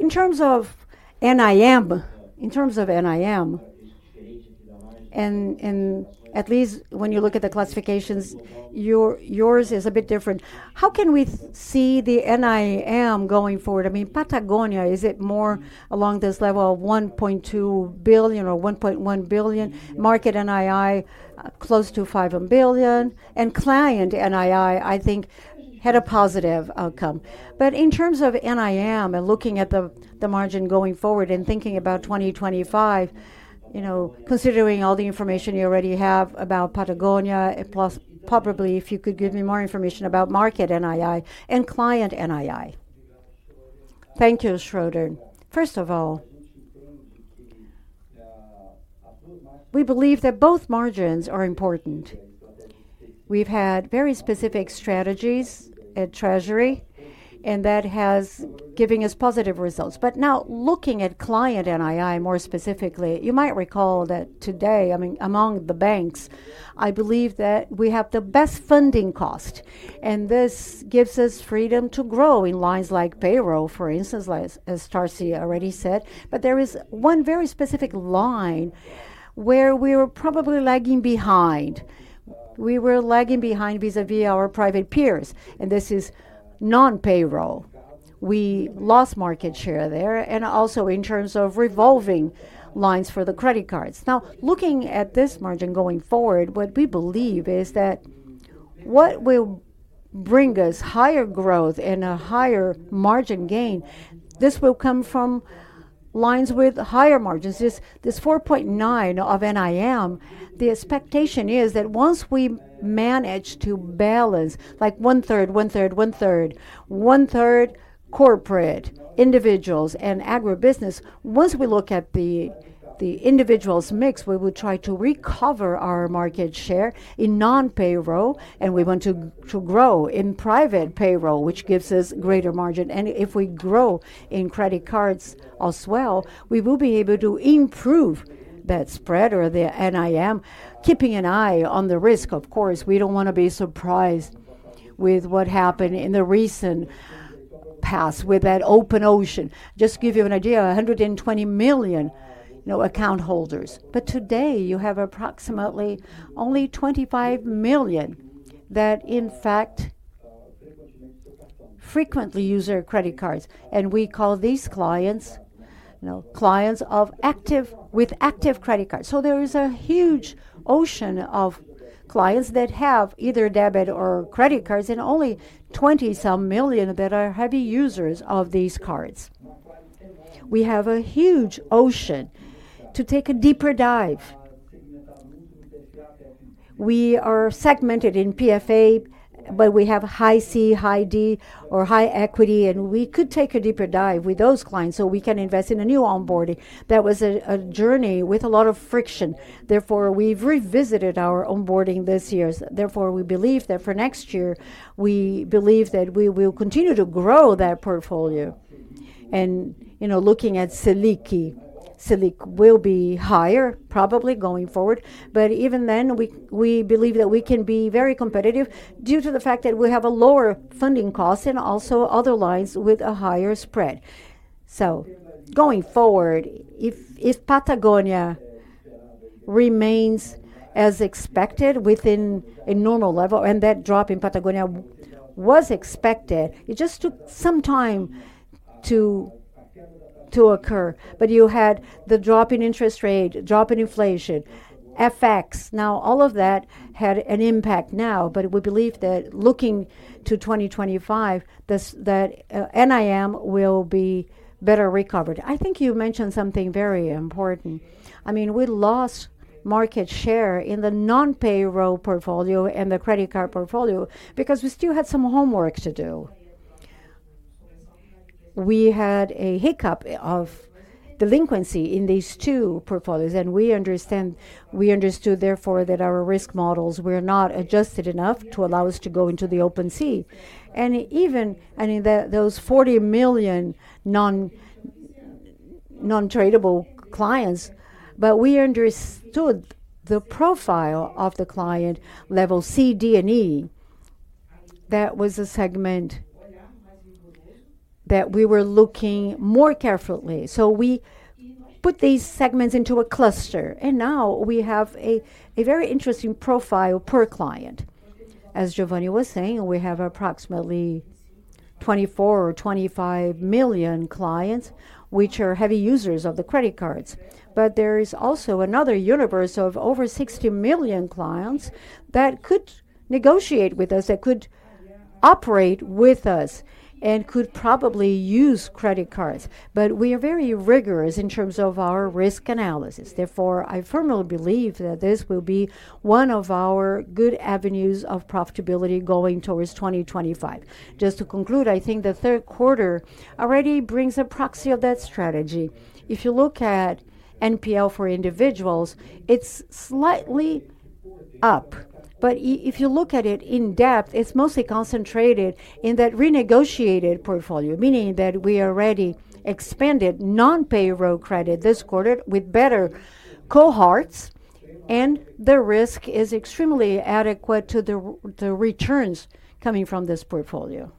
In terms of NIM, in terms of NIM, and at least when you look at the classifications, yours is a bit different. How can we see the NIM going forward? I mean, Patagonia, is it more along this level of 1.2 billion or 1.1 billion? Market NII close to 5 billion, and client NII, I think, had a positive outcome. But in terms of NIM and looking at the margin going forward and thinking about 2025, you know, considering all the information you already have about Patagonia, plus probably if you could give me more information about market NII and client NII. Thank you, Schroden. First of all, we believe that both margins are important. We've had very specific strategies at Treasury, and that has given us positive results. But now looking at client NII more specifically, you might recall that today, I mean, among the banks, I believe that we have the best funding cost, and this gives us freedom to grow in lines like payroll, for instance, as Tarciana already said. But there is one very specific line where we were probably lagging behind. We were lagging behind vis-à-vis our private peers, and this is non-payroll. We lost market share there, and also in terms of revolving lines for the credit cards. Now, looking at this margin going forward, what we believe is that what will bring us higher growth and a higher margin gain, this will come from lines with higher margins. This 4.9% NIM, the expectation is that once we manage to balance, like one-third, one-third, one-third, one-third corporate, individuals, and agribusiness, once we look at the individuals' mix, we will try to recover our market share in non-payroll, and we want to grow in private payroll, which gives us greater margin. And if we grow in credit cards as well, we will be able to improve that spread or the NIM, keeping an eye on the risk. Of course, we don't want to be surprised with what happened in the recent past with that open ocean. Just to give you an idea, 120 million, you know, account holders, but today, you have approximately only 25 million that, in fact, frequently use their credit cards, and we call these clients, you know, clients with active credit cards, so there is a huge ocean of clients that have either debit or credit cards, and only 20-some million that are heavy users of these cards. We have a huge ocean to take a deeper dive. We are segmented in PFA, but we have high C, high D, or high equity, and we could take a deeper dive with those clients so we can invest in a new onboarding. That was a journey with a lot of friction. Therefore, we've revisited our onboarding this year. Therefore, we believe that for next year, we believe that we will continue to grow that portfolio. You know, looking at Selic, Selic will be higher probably going forward, but even then, we believe that we can be very competitive due to the fact that we have a lower funding cost and also other lines with a higher spread. So, going forward, if Patagonia remains as expected within a normal level, and that drop in Patagonia was expected, it just took some time to occur. But you had the drop in interest rate, drop in inflation, FX. Now, all of that had an impact now, but we believe that looking to 2025, that NIM will be better recovered. I think you mentioned something very important. I mean, we lost market share in the non-payroll portfolio and the credit card portfolio because we still had some homework to do. We had a hiccup of delinquency in these two portfolios, and we understood therefore that our risk models were not adjusted enough to allow us to go into the OpenSea. And even, I mean, those 40 million non-tradable clients, but we understood the profile of the client level C, D, and E that was a segment that we were looking more carefully. So we put these segments into a cluster, and now we have a very interesting profile per client. As Geovanne was saying, we have approximately 24 or 25 million clients, which are heavy users of the credit cards. But there is also another universe of over 60 million clients that could negotiate with us, that could operate with us, and could probably use credit cards. But we are very rigorous in terms of our risk analysis. Therefore, I firmly believe that this will be one of our good avenues of profitability going towards 2025. Just to conclude, I think the third quarter already brings a proxy of that strategy. If you look at NPL for individuals, it's slightly up, but if you look at it in depth, it's mostly concentrated in that renegotiated portfolio, meaning that we already expanded non-payroll credit this quarter with better cohorts, and the risk is extremely adequate to the returns coming from this portfolio.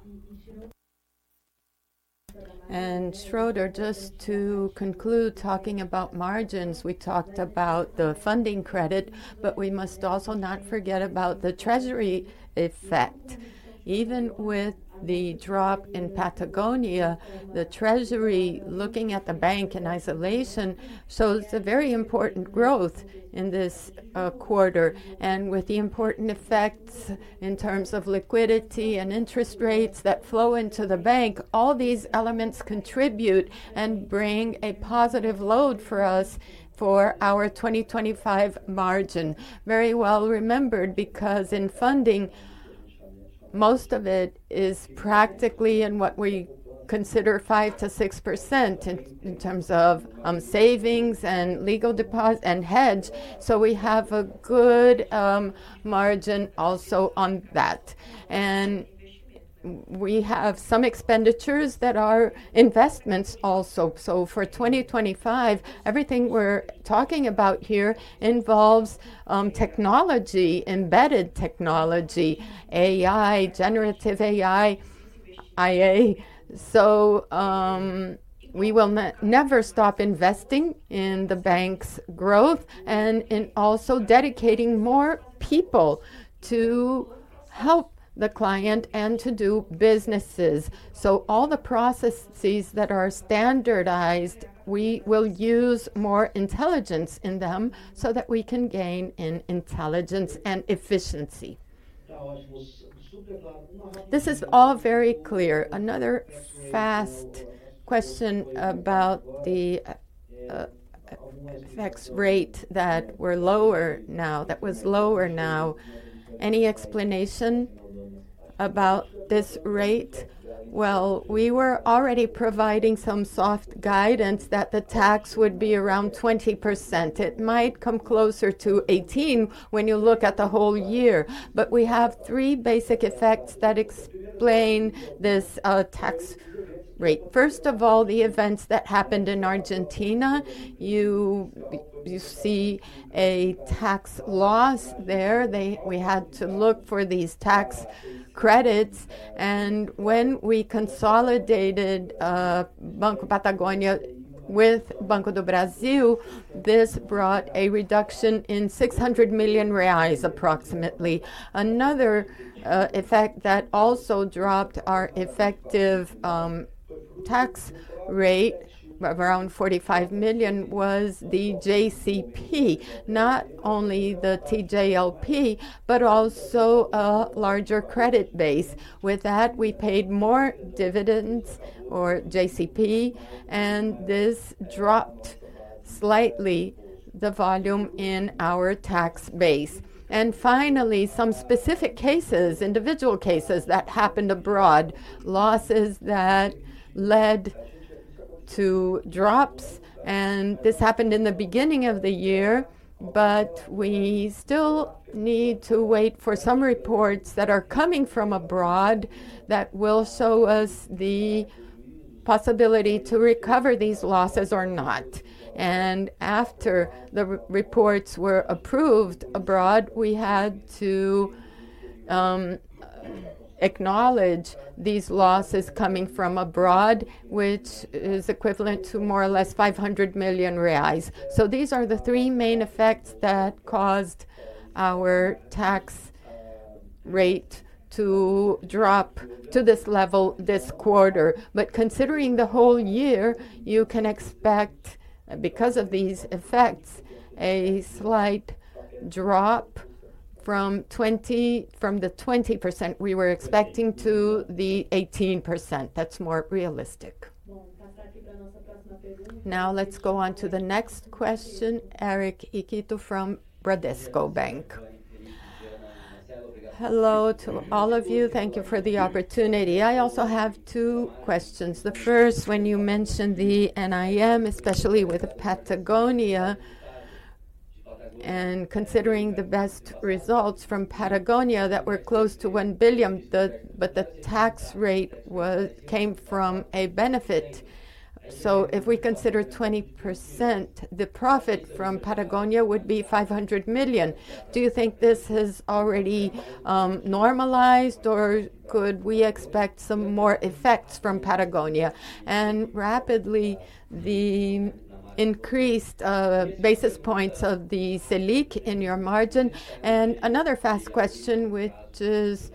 And Schroeder, just to conclude talking about margins, we talked about the funding credit, but we must also not forget about the Treasury effect. Even with the drop in Patagonia, the Treasury looking at the bank in isolation, so it's a very important growth in this quarter. With the important effects in terms of liquidity and interest rates that flow into the bank, all these elements contribute and bring a positive load for us for our 2025 margin. Very well remembered because in funding, most of it is practically in what we consider 5%-6% in terms of savings and legal deposit and hedge. We have a good margin also on that. We have some expenditures that are investments also. For 2025, everything we're talking about here involves technology, embedded technology, AI, generative AI, IA. We will never stop investing in the bank's growth and in also dedicating more people to help the client and to do businesses. All the processes that are standardized, we will use more intelligence in them so that we can gain in intelligence and efficiency. This is all very clear. Another fast question about the FX rate that we're lower now, that was lower now. Any explanation about this rate? Well, we were already providing some soft guidance that the tax would be around 20%. It might come closer to 18% when you look at the whole year. But we have three basic effects that explain this tax rate. First of all, the events that happened in Argentina. You see a tax loss there. We had to look for these tax credits. And when we consolidated Banco Patagonia with Banco do Brasil, this brought a reduction in 600 million reais approximately. Another effect that also dropped our effective tax rate of around 45 million was the JCP, not only the TJLP, but also a larger credit base. With that, we paid more dividends or JCP, and this dropped slightly the volume in our tax base. Finally, some specific cases, individual cases that happened abroad, losses that led to drops. This happened in the beginning of the year, but we still need to wait for some reports that are coming from abroad that will show us the possibility to recover these losses or not. After the reports were approved abroad, we had to acknowledge these losses coming from abroad, which is equivalent to more or less 500 million reais. These are the three main effects that caused our tax rate to drop to this level this quarter. Considering the whole year, you can expect, because of these effects, a slight drop from the 20% we were expecting to the 18%. That's more realistic. Now let's go on to the next question, Eric Ito from Bradesco BBI. Hello to all of you. Thank you for the opportunity. I also have two questions. The first, when you mentioned the NIM, especially with Patagonia, and considering the best results from Patagonia that were close to 1 billion, but the tax rate came from a benefit. So if we consider 20%, the profit from Patagonia would be 500 million. Do you think this has already normalized, or could we expect some more effects from Patagonia? And rapidly, the increased basis points of the Selic in your margin. And another fast question, which is,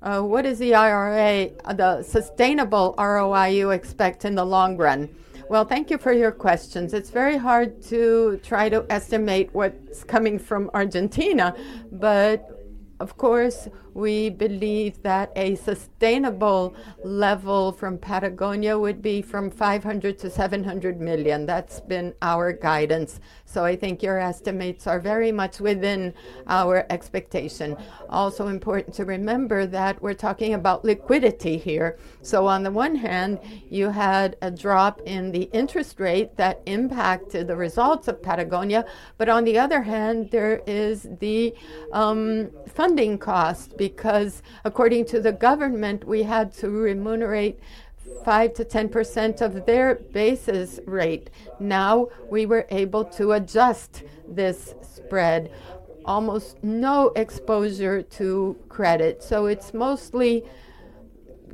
what is the ROE, the sustainable ROE you expect in the long run? Well, thank you for your questions. It's very hard to try to estimate what's coming from Argentina, but of course, we believe that a sustainable level from Patagonia would be from 500 million-700 million. That's been our guidance. So I think your estimates are very much within our expectation. Also important to remember that we're talking about liquidity here. So on the one hand, you had a drop in the interest rate that impacted the results of Patagonia, but on the other hand, there is the funding cost because according to the government, we had to remunerate 5%-10% of their basis rate. Now we were able to adjust this spread. Almost no exposure to credit. So it's mostly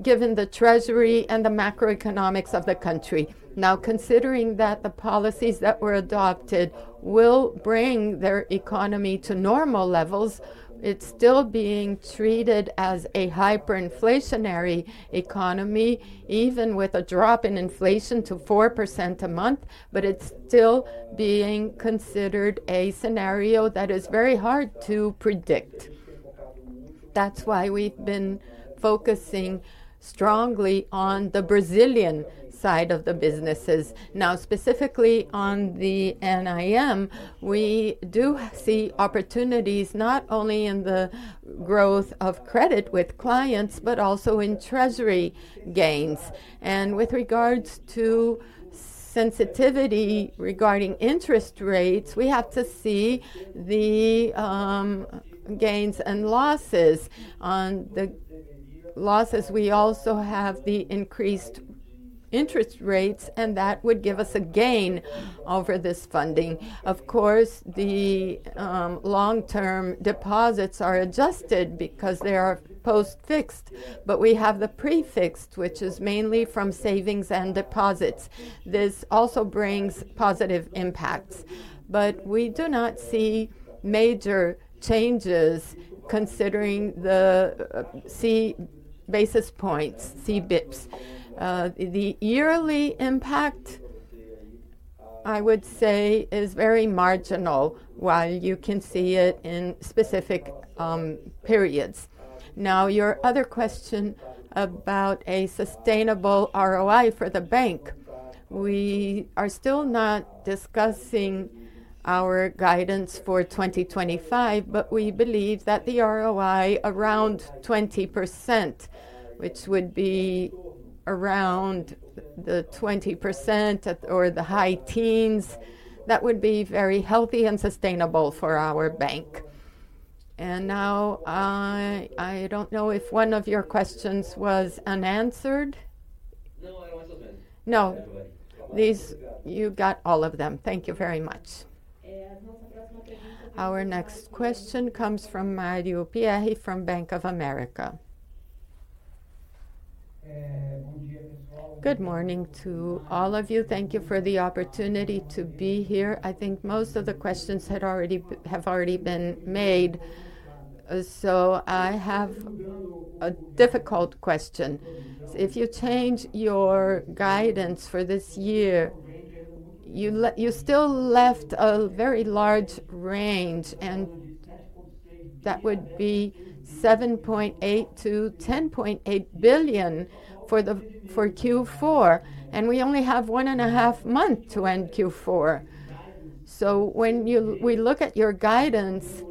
given the Treasury and the macroeconomics of the country. Now, considering that the policies that were adopted will bring their economy to normal levels, it's still being treated as a hyperinflationary economy, even with a drop in inflation to 4% a month, but it's still being considered a scenario that is very hard to predict. That's why we've been focusing strongly on the Brazilian side of the businesses. Now, specifically on the NIM, we do see opportunities not only in the growth of credit with clients, but also in Treasury gains. And with regards to sensitivity regarding interest rates, we have to see the gains and losses. On the losses, we also have the increased interest rates, and that would give us a gain over this funding. Of course, the long-term deposits are adjusted because they are post-fixed, but we have the prefixed, which is mainly from savings and deposits. This also brings positive impacts, but we do not see major changes considering the 50 basis points, CDIs. The yearly impact, I would say, is very marginal while you can see it in specific periods. Now, your other question about a sustainable ROI for the bank. We are still not discussing our guidance for 2025, but we believe that the ROI around 20%, which would be around the 20% or the high teens, that would be very healthy and sustainable for our bank. And now, I don't know if one of your questions was unanswered. No, you got all of them. Thank you very much. Our next question comes from Mario Pierry from Bank of America. Good morning to all of you. Thank you for the opportunity to be here. I think most of the questions have already been made. So I have a difficult question. If you change your guidance for this year, you still left a very large range, and that would be 7.8-10.8 billion for Q4, and we only have one and a half months to end Q4. So when we look at your guidance,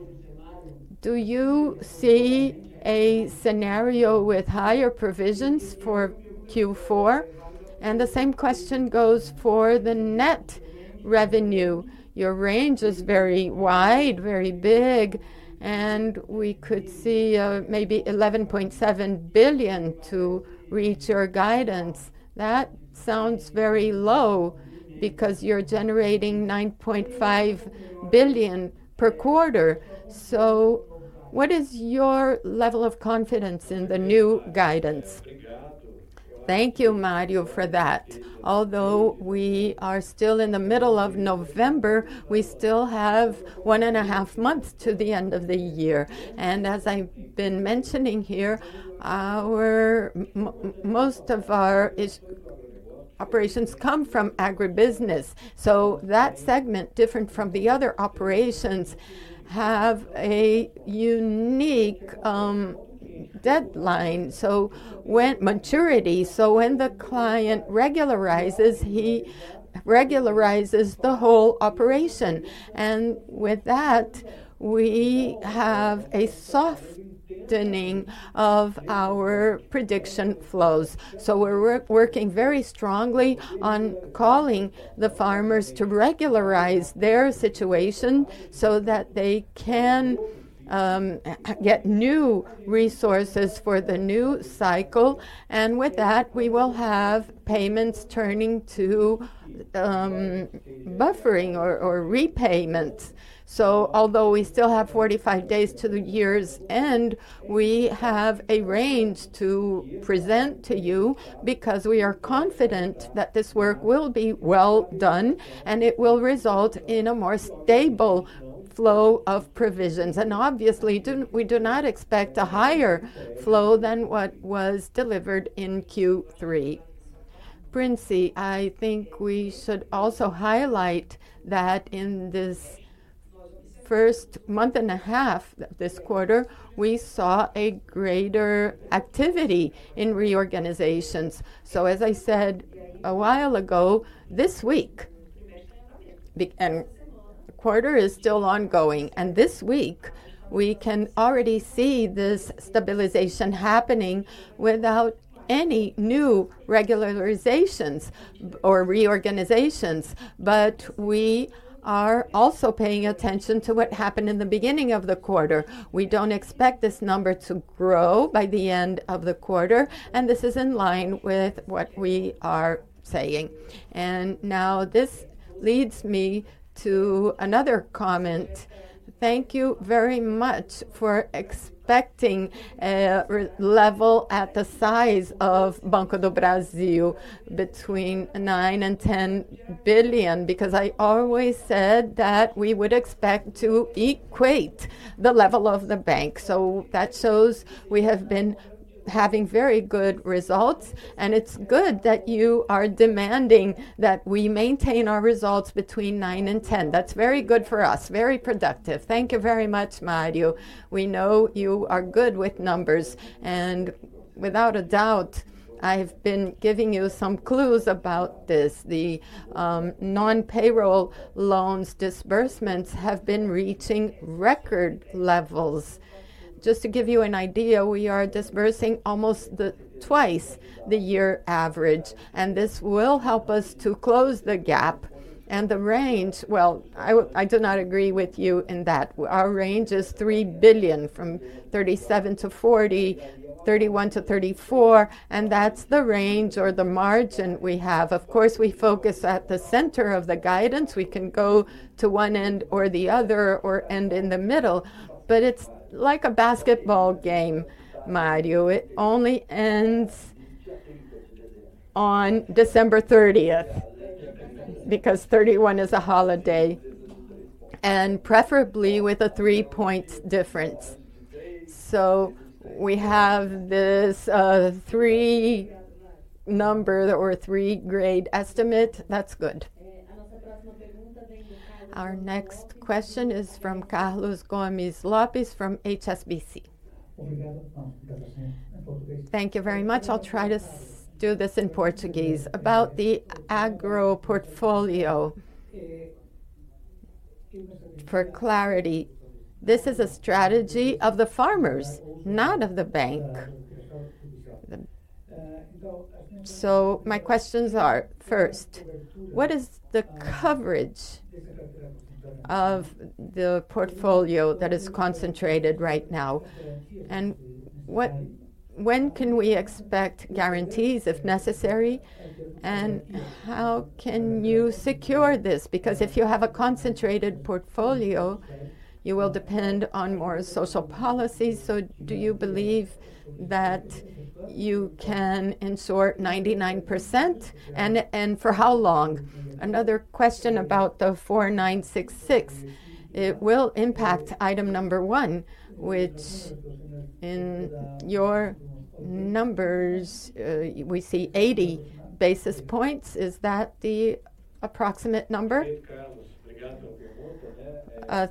do you see a scenario with higher provisions for Q4? And the same question goes for the net revenue. Your range is very wide, very big, and we could see maybe 11.7 billion to reach your guidance. That sounds very low because you're generating 9.5 billion per quarter. So what is your level of confidence in the new guidance? Thank you, Mario, for that. Although we are still in the middle of November, we still have one and a half months to the end of the year. And as I've been mentioning here, most of our operations come from agribusiness. So that segment, different from the other operations, has a unique deadline, so maturity. So when the client regularizes, he regularizes the whole operation. And with that, we have a softening of our provision flows. We're working very strongly on calling the farmers to regularize their situation so that they can get new resources for the new cycle. With that, we will have payments turning to buffering or repayments. Although we still have 45 days to the year's end, we have a range to present to you because we are confident that this work will be well done, and it will result in a more stable flow of provisions. Obviously, we do not expect a higher flow than what was delivered in Q3. Prince, I think we should also highlight that in this first month and a half, this quarter, we saw a greater activity in reorganizations. As I said a while ago, this week, and the quarter is still ongoing, and this week, we can already see this stabilization happening without any new regularizations or reorganizations. But we are also paying attention to what happened in the beginning of the quarter. We don't expect this number to grow by the end of the quarter, and this is in line with what we are saying. And now this leads me to another comment. Thank you very much for expecting a level at the size of Banco do Brasil, between nine billion and 10 billion, because I always said that we would expect to equate the level of the bank. So that shows we have been having very good results, and it's good that you are demanding that we maintain our results between nine and 10. That's very good for us, very productive. Thank you very much, Mario. We know you are good with numbers. And without a doubt, I have been giving you some clues about this. The non-payroll loans disbursements have been reaching record levels. Just to give you an idea, we are disbursing almost twice the year average, and this will help us to close the gap and the range. Well, I do not agree with you in that our range is 3 billion from 37 to 40, 31 to 34, and that's the range or the margin we have. Of course, we focus at the center of the guidance. We can go to one end or the other or end in the middle, but it's like a basketball game, Mario. It only ends on December 30th because 31 is a holiday, and preferably with a three-point difference. So we have this three number or three-grade estimate. That's good. Our next question is from Carlos Gomez-Lopez from HSBC. Thank you very much. I'll try to do this in Portuguese. About the agro portfolio, for clarity, this is a strategy of the farmers, not of the bank. So my questions are first, what is the coverage of the portfolio that is concentrated right now? And when can we expect guarantees if necessary? And how can you secure this? Because if you have a concentrated portfolio, you will depend on more social policies. So do you believe that you can insert 99%? And for how long? Another question about the 4,966. It will impact item number one, which in your numbers, we see 80 basis points. Is that the approximate number?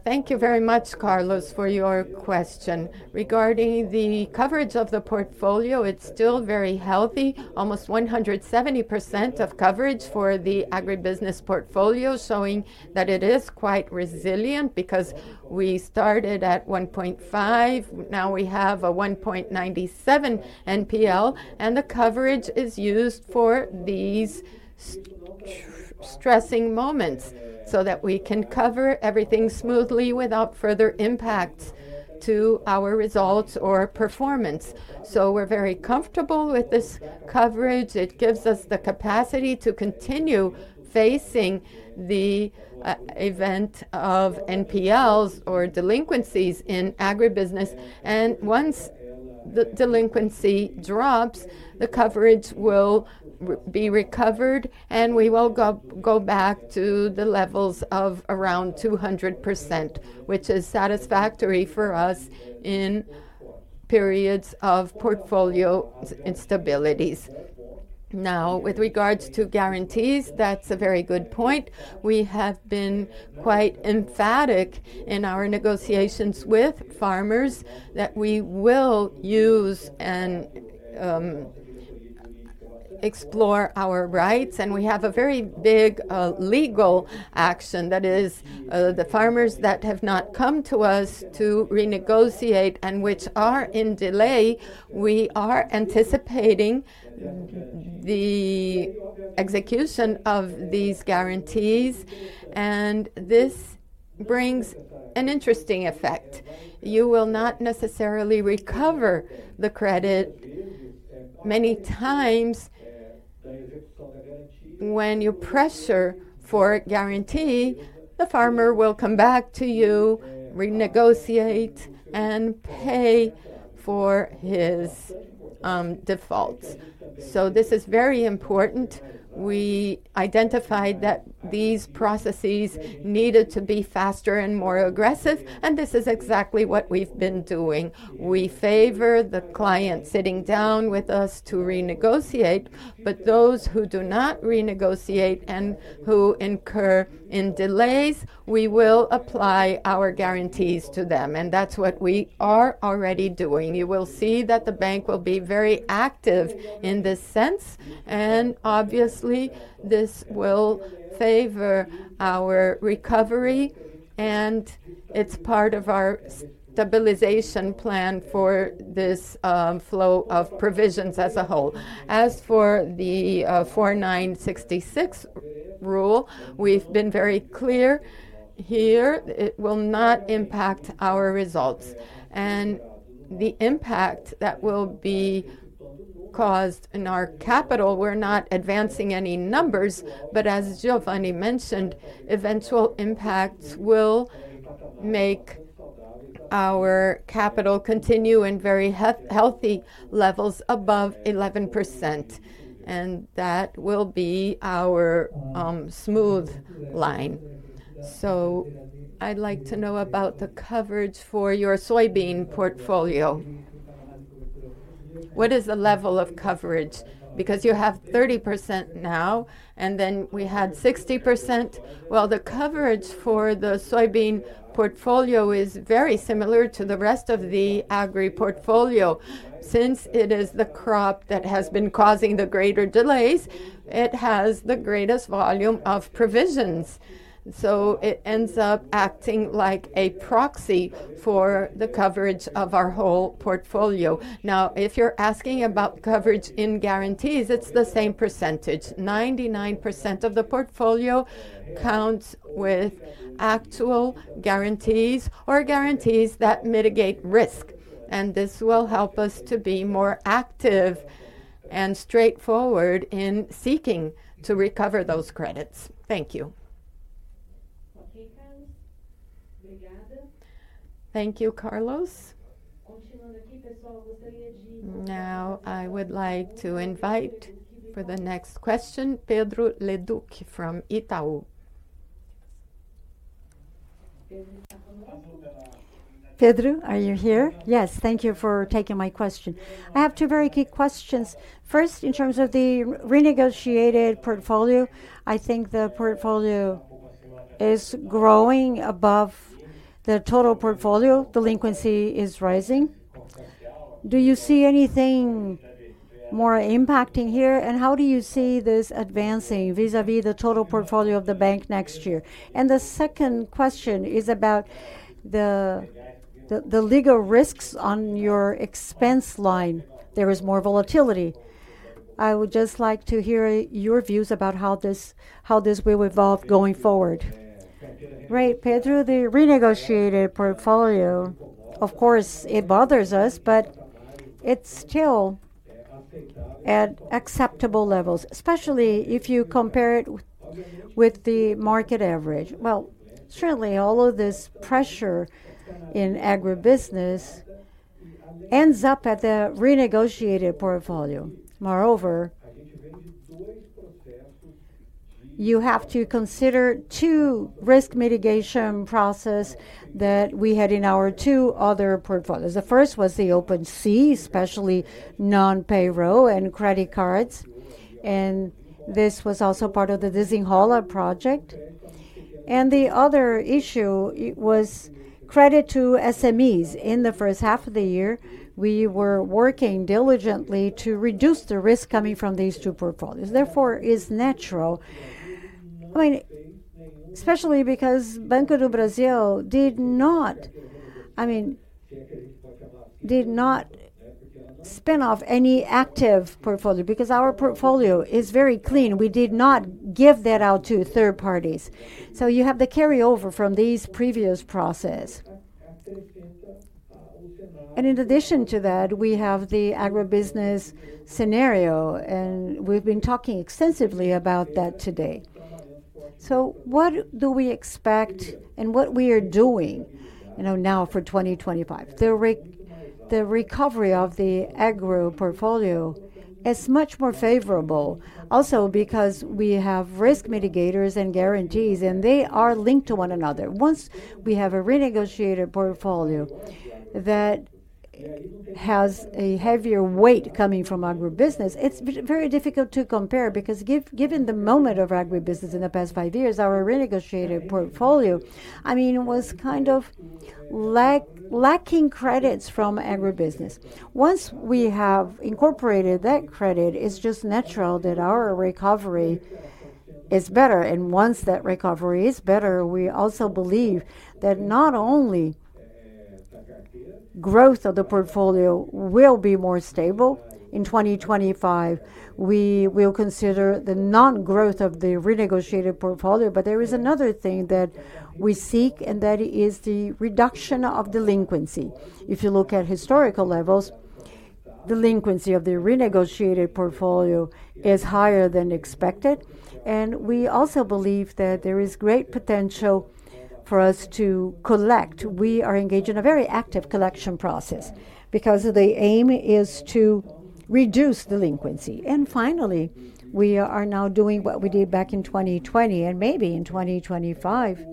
Thank you very much, Carlos, for your question. Regarding the coverage of the portfolio, it's still very healthy, almost 170% of coverage for the agribusiness portfolio, showing that it is quite resilient because we started at 1.5, now we have a 1.97 NPL, and the coverage is used for these stressing moments so that we can cover everything smoothly without further impacts to our results or performance. So we're very comfortable with this coverage. It gives us the capacity to continue facing the event of NPLs or delinquencies in agribusiness. And once the delinquency drops, the coverage will be recovered, and we will go back to the levels of around 200%, which is satisfactory for us in periods of portfolio instabilities. Now, with regards to guarantees, that's a very good point. We have been quite emphatic in our negotiations with farmers that we will use and explore our rights, and we have a very big legal action that is the farmers that have not come to us to renegotiate and which are in delay. We are anticipating the execution of these guarantees, and this brings an interesting effect. You will not necessarily recover the credit many times. When you pressure for a guarantee, the farmer will come back to you, renegotiate, and pay for his default. So this is very important. We identified that these processes needed to be faster and more aggressive, and this is exactly what we've been doing. We favor the client sitting down with us to renegotiate, but those who do not renegotiate and who incur in delays. We will apply our guarantees to them, and that's what we are already doing. You will see that the bank will be very active in this sense, and obviously, this will favor our recovery, and it's part of our stabilization plan for this flow of provisions as a whole. As for the 4966 Rule, we've been very clear. Here, it will not impact our results, and the impact that will be caused in our capital, we're not advancing any numbers, but as Geovanne mentioned, eventual impacts will make our capital continue in very healthy levels above 11%, and that will be our smooth line. So I'd like to know about the coverage for your soybean portfolio. What is the level of coverage? Because you have 30% now, and then we had 60%. Well, the coverage for the soybean portfolio is very similar to the rest of the agri portfolio. Since it is the crop that has been causing the greater delays, it has the greatest volume of provisions. So it ends up acting like a proxy for the coverage of our whole portfolio. Now, if you're asking about coverage in guarantees, it's the same percentage. 99% of the portfolio counts with actual guarantees or guarantees that mitigate risk, and this will help us to be more active and straightforward in seeking to recover those credits. Thank you. Thank you, Carlos. Now, I would like to invite for the next question, Pedro Leduc from Itaú. Pedro, are you here? Yes, thank you for taking my question. I have two very key questions. First, in terms of the renegotiated portfolio, I think the portfolio is growing above the total portfolio. Delinquency is rising. Do you see anything more impacting here? And how do you see this advancing vis-à-vis the total portfolio of the bank next year? And the second question is about the legal risks on your expense line. There is more volatility. I would just like to hear your views about how this will evolve going forward. Right, Pedro, the renegotiated portfolio, of course, it bothers us, but it's still at acceptable levels, especially if you compare it with the market average. Well, certainly, all of this pressure in agribusiness ends up at the renegotiated portfolio. Moreover, you have to consider two risk mitigation processes that we had in our two other portfolios. The first was the OpenSea, especially non-payroll and credit cards. And this was also part of the Desenrola project. And the other issue was credit to SMEs. In the first half of the year, we were working diligently to reduce the risk coming from these two portfolios. Therefore, it is natural, I mean, especially because Banco do Brasil did not spin off any active portfolio because our portfolio is very clean. We did not give that out to third parties, so you have the carryover from these previous processes, and in addition to that, we have the agribusiness scenario, and we've been talking extensively about that today, so what do we expect and what we are doing now for 2025? The recovery of the agro portfolio is much more favorable also because we have risk mitigators and guarantees, and they are linked to one another. Once we have a renegotiated portfolio that has a heavier weight coming from agribusiness, it's very difficult to compare because given the moment of agribusiness in the past five years, our renegotiated portfolio, I mean, was kind of lacking credits from agribusiness. Once we have incorporated that credit, it's just natural that our recovery is better, and once that recovery is better, we also believe that not only the growth of the portfolio will be more stable in 2025, we will consider the non-growth of the renegotiated portfolio. But there is another thing that we seek, and that is the reduction of delinquency. If you look at historical levels, delinquency of the renegotiated portfolio is higher than expected, and we also believe that there is great potential for us to collect. We are engaged in a very active collection process because the aim is to reduce delinquency. Finally, we are now doing what we did back in 2020, and maybe in 2025,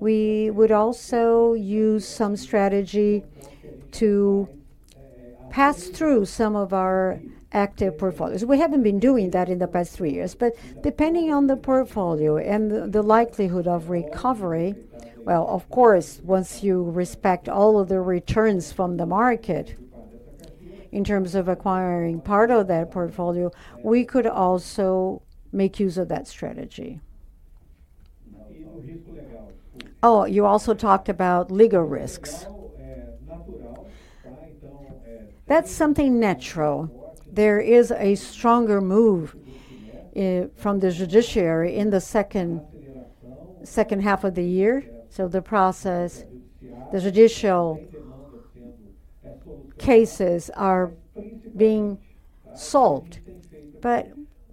we would also use some strategy to pass through some of our active portfolios. We haven't been doing that in the past three years, but depending on the portfolio and the likelihood of recovery, well, of course, once you respect all of the returns from the market in terms of acquiring part of that portfolio, we could also make use of that strategy. Oh, you also talked about legal risks. That's something natural. There is a stronger move from the judiciary in the second half of the year. The process, the judicial cases are being solved.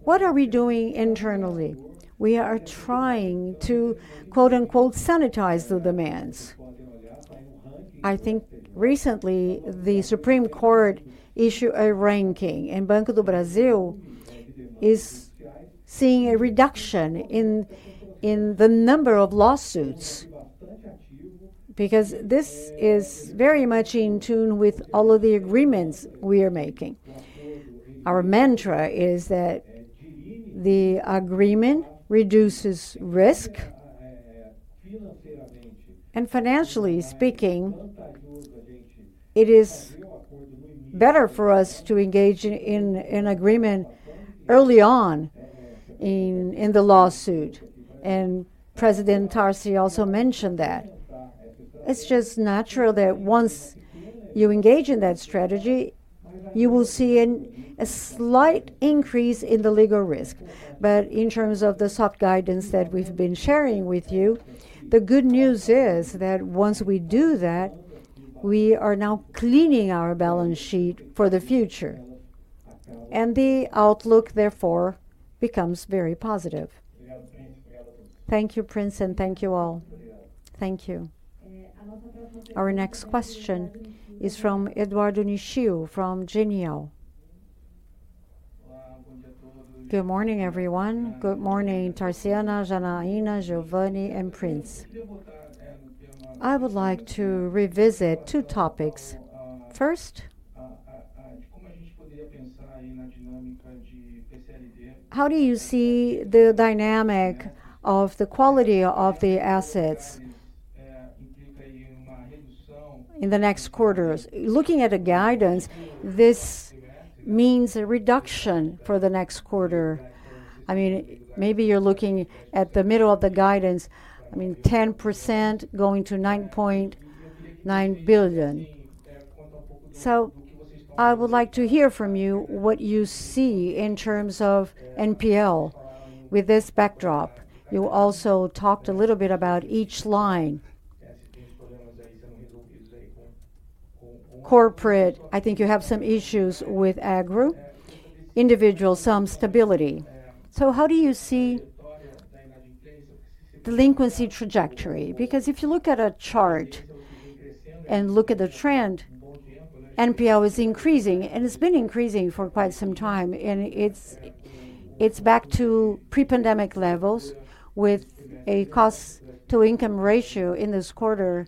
What are we doing internally? We are trying to "sanitize" the demands. I think recently the Supreme Court issued a ranking, and Banco do Brasil is seeing a reduction in the number of lawsuits because this is very much in tune with all of the agreements we are making. Our mantra is that the agreement reduces risk. Financially speaking, it is better for us to engage in an agreement early on in the lawsuit. President Tarciana also mentioned that. It is just natural that once you engage in that strategy, you will see a slight increase in the legal risk. In terms of the soft guidance that we have been sharing with you, the good news is that once we do that, we are now cleaning our balance sheet for the future. The outlook, therefore, becomes very positive. Thank you, Prince, and thank you all. Thank you. Our next question is from Eduardo Nishio from Genial. Good morning, everyone. Good morning, Tarciana, Janaína, Geovanne, and Prince. I would like to revisit two topics. First, how do you see the dynamic of the quality of the assets in the next quarters? Looking at the guidance, this means a reduction for the next quarter. I mean, maybe you're looking at the middle of the guidance, I mean, 10% going to 9.9 billion. So I would like to hear from you what you see in terms of NPL with this backdrop. You also talked a little bit about each line. Corporate, I think you have some issues with agro, individual, some stability. So how do you see delinquency trajectory? Because if you look at a chart and look at the trend, NPL is increasing, and it's been increasing for quite some time. It's back to pre-pandemic levels with a cost-to-income ratio in this quarter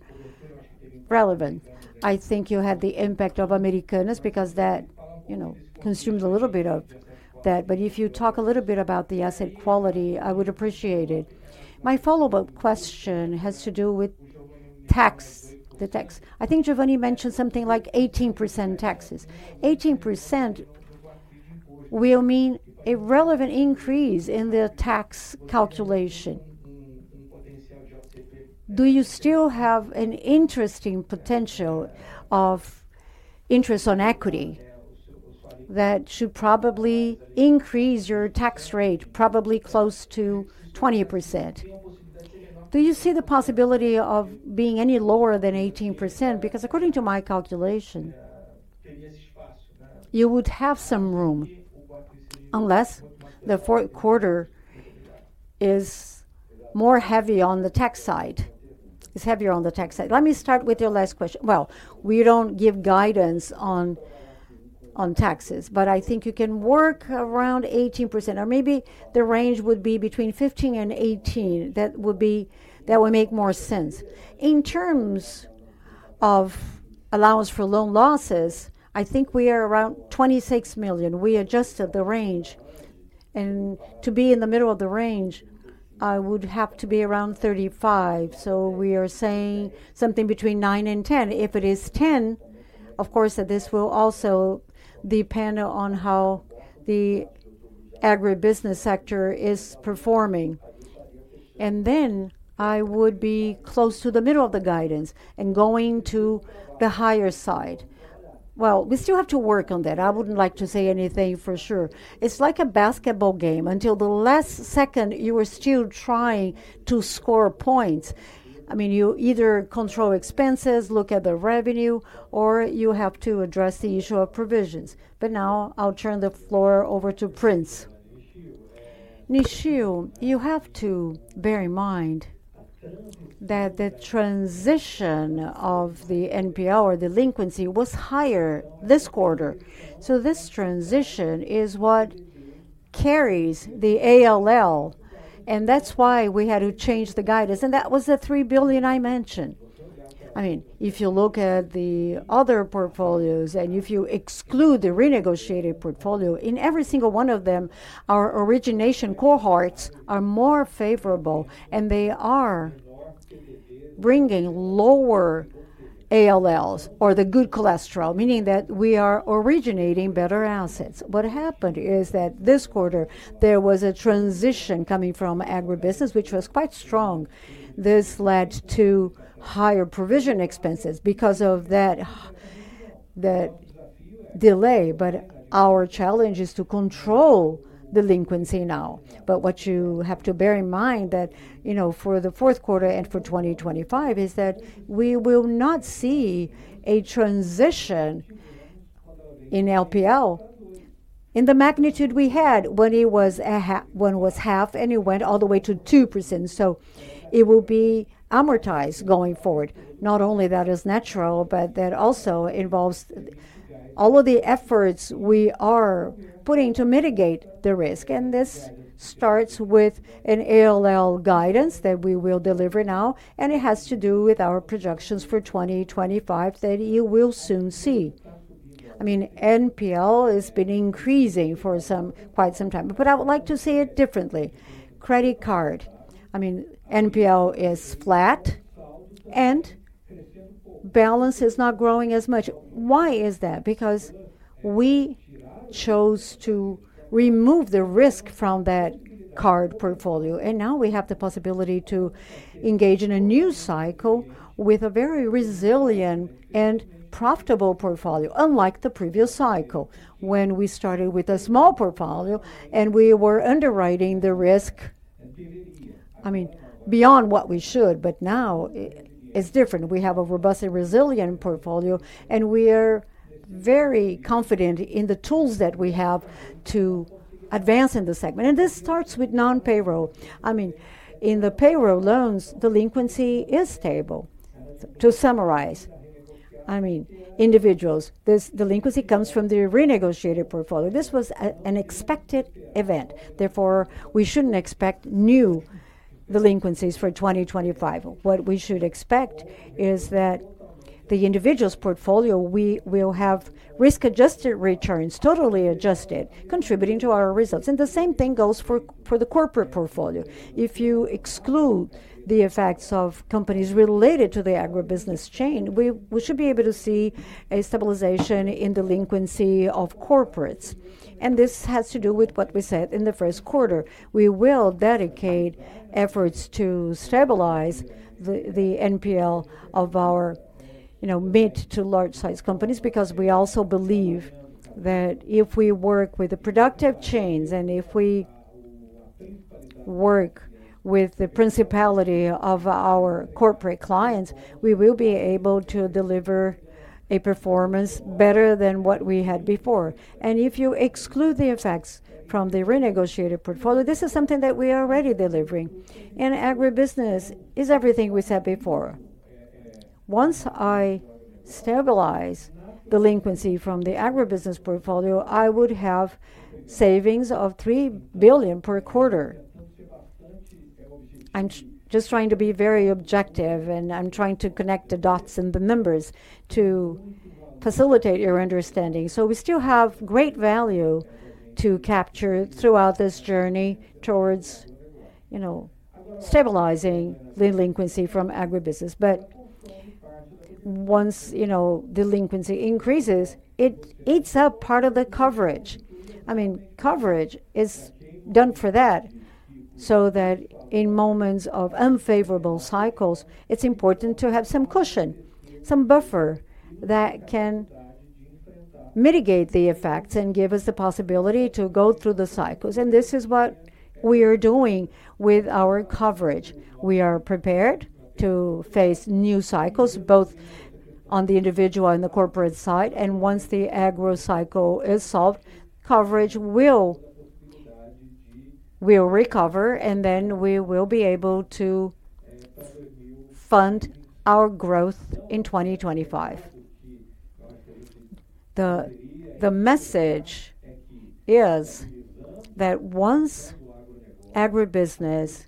relevant. I think you had the impact of Americanas because that consumes a little bit of that. But if you talk a little bit about the asset quality, I would appreciate it. My follow-up question has to do with tax. I think Geovanne mentioned something like 18% taxes. 18% will mean a relevant increase in the tax calculation. Do you still have an interesting potential of interest on equity that should probably increase your tax rate, probably close to 20%? Do you see the possibility of being any lower than 18%? Because according to my calculation, you would have some room unless the fourth quarter is more heavy on the tax side. It's heavier on the tax side. Let me start with your last question. Well, we don't give guidance on taxes, but I think you can work around 18%, or maybe the range would be between 15% and 18%. That would make more sense. In terms of allowance for loan losses, I think we are around 26 billion. We adjusted the range and to be in the middle of the range, I would have to be around 35 billion, so we are saying something between 9 and 10. If it is 10, of course, this will also depend on how the agribusiness sector is performing and then I would be close to the middle of the guidance and going to the higher side. Well, we still have to work on that. I wouldn't like to say anything for sure. It's like a basketball game. Until the last second, you were still trying to score points. I mean, you either control expenses, look at the revenue, or you have to address the issue of provisions. But now I'll turn the floor over to Prince. Nishio, you have to bear in mind that the transition of the NPL or delinquency was higher this quarter. So this transition is what carries the ALL, and that's why we had to change the guidance, and that was the 3 billion I mentioned. I mean, if you look at the other portfolios and if you exclude the renegotiated portfolio, in every single one of them, our origination cohorts are more favorable, and they are bringing lower ALLs or the good cholesterol, meaning that we are originating better assets. What happened is that this quarter, there was a transition coming from agribusiness, which was quite strong. This led to higher provision expenses because of that delay, but our challenge is to control delinquency now. But what you have to bear in mind for the fourth quarter and for 2025 is that we will not see a transition in LPL in the magnitude we had when it was 0.5%, and it went all the way to 2%. So it will be amortized going forward. Not only that is natural, but that also involves all of the efforts we are putting to mitigate the risk. And this starts with an ALL guidance that we will deliver now, and it has to do with our projections for 2025 that you will soon see. I mean, NPL has been increasing for quite some time. But I would like to say it differently. Credit card, I mean, NPL is flat, and balance is not growing as much. Why is that? Because we chose to remove the risk from that card portfolio. Now we have the possibility to engage in a new cycle with a very resilient and profitable portfolio, unlike the previous cycle when we started with a small portfolio and we were underwriting the risk, I mean, beyond what we should. Now it's different. We have a robust and resilient portfolio, and we are very confident in the tools that we have to advance in the segment. This starts with non-payroll. I mean, in the payroll loans, delinquency is stable. To summarize, I mean, individuals, this delinquency comes from the renegotiated portfolio. This was an expected event. Therefore, we shouldn't expect new delinquencies for 2025. What we should expect is that the individual's portfolio, we will have risk-adjusted returns, totally adjusted, contributing to our results. The same thing goes for the corporate portfolio. If you exclude the effects of companies related to the agribusiness chain, we should be able to see a stabilization in delinquency of corporates. And this has to do with what we said in the first quarter. We will dedicate efforts to stabilize the NPL of our mid to large-sized companies because we also believe that if we work with the productive chains and if we work with the priority of our corporate clients, we will be able to deliver a performance better than what we had before. And if you exclude the effects from the renegotiated portfolio, this is something that we are already delivering. And agribusiness is everything we said before. Once I stabilize delinquency from the agribusiness portfolio, I would have savings of 3 billion per quarter. I'm just trying to be very objective, and I'm trying to connect the dots and the numbers to facilitate your understanding. So we still have great value to capture throughout this journey towards stabilizing delinquency from agribusiness. But once delinquency increases, it eats up part of the coverage. I mean, coverage is done for that so that in moments of unfavorable cycles, it's important to have some cushion, some buffer that can mitigate the effects and give us the possibility to go through the cycles. And this is what we are doing with our coverage. We are prepared to face new cycles, both on the individual and the corporate side. And once the agro cycle is solved, coverage will recover, and then we will be able to fund our growth in 2025. The message is that once agribusiness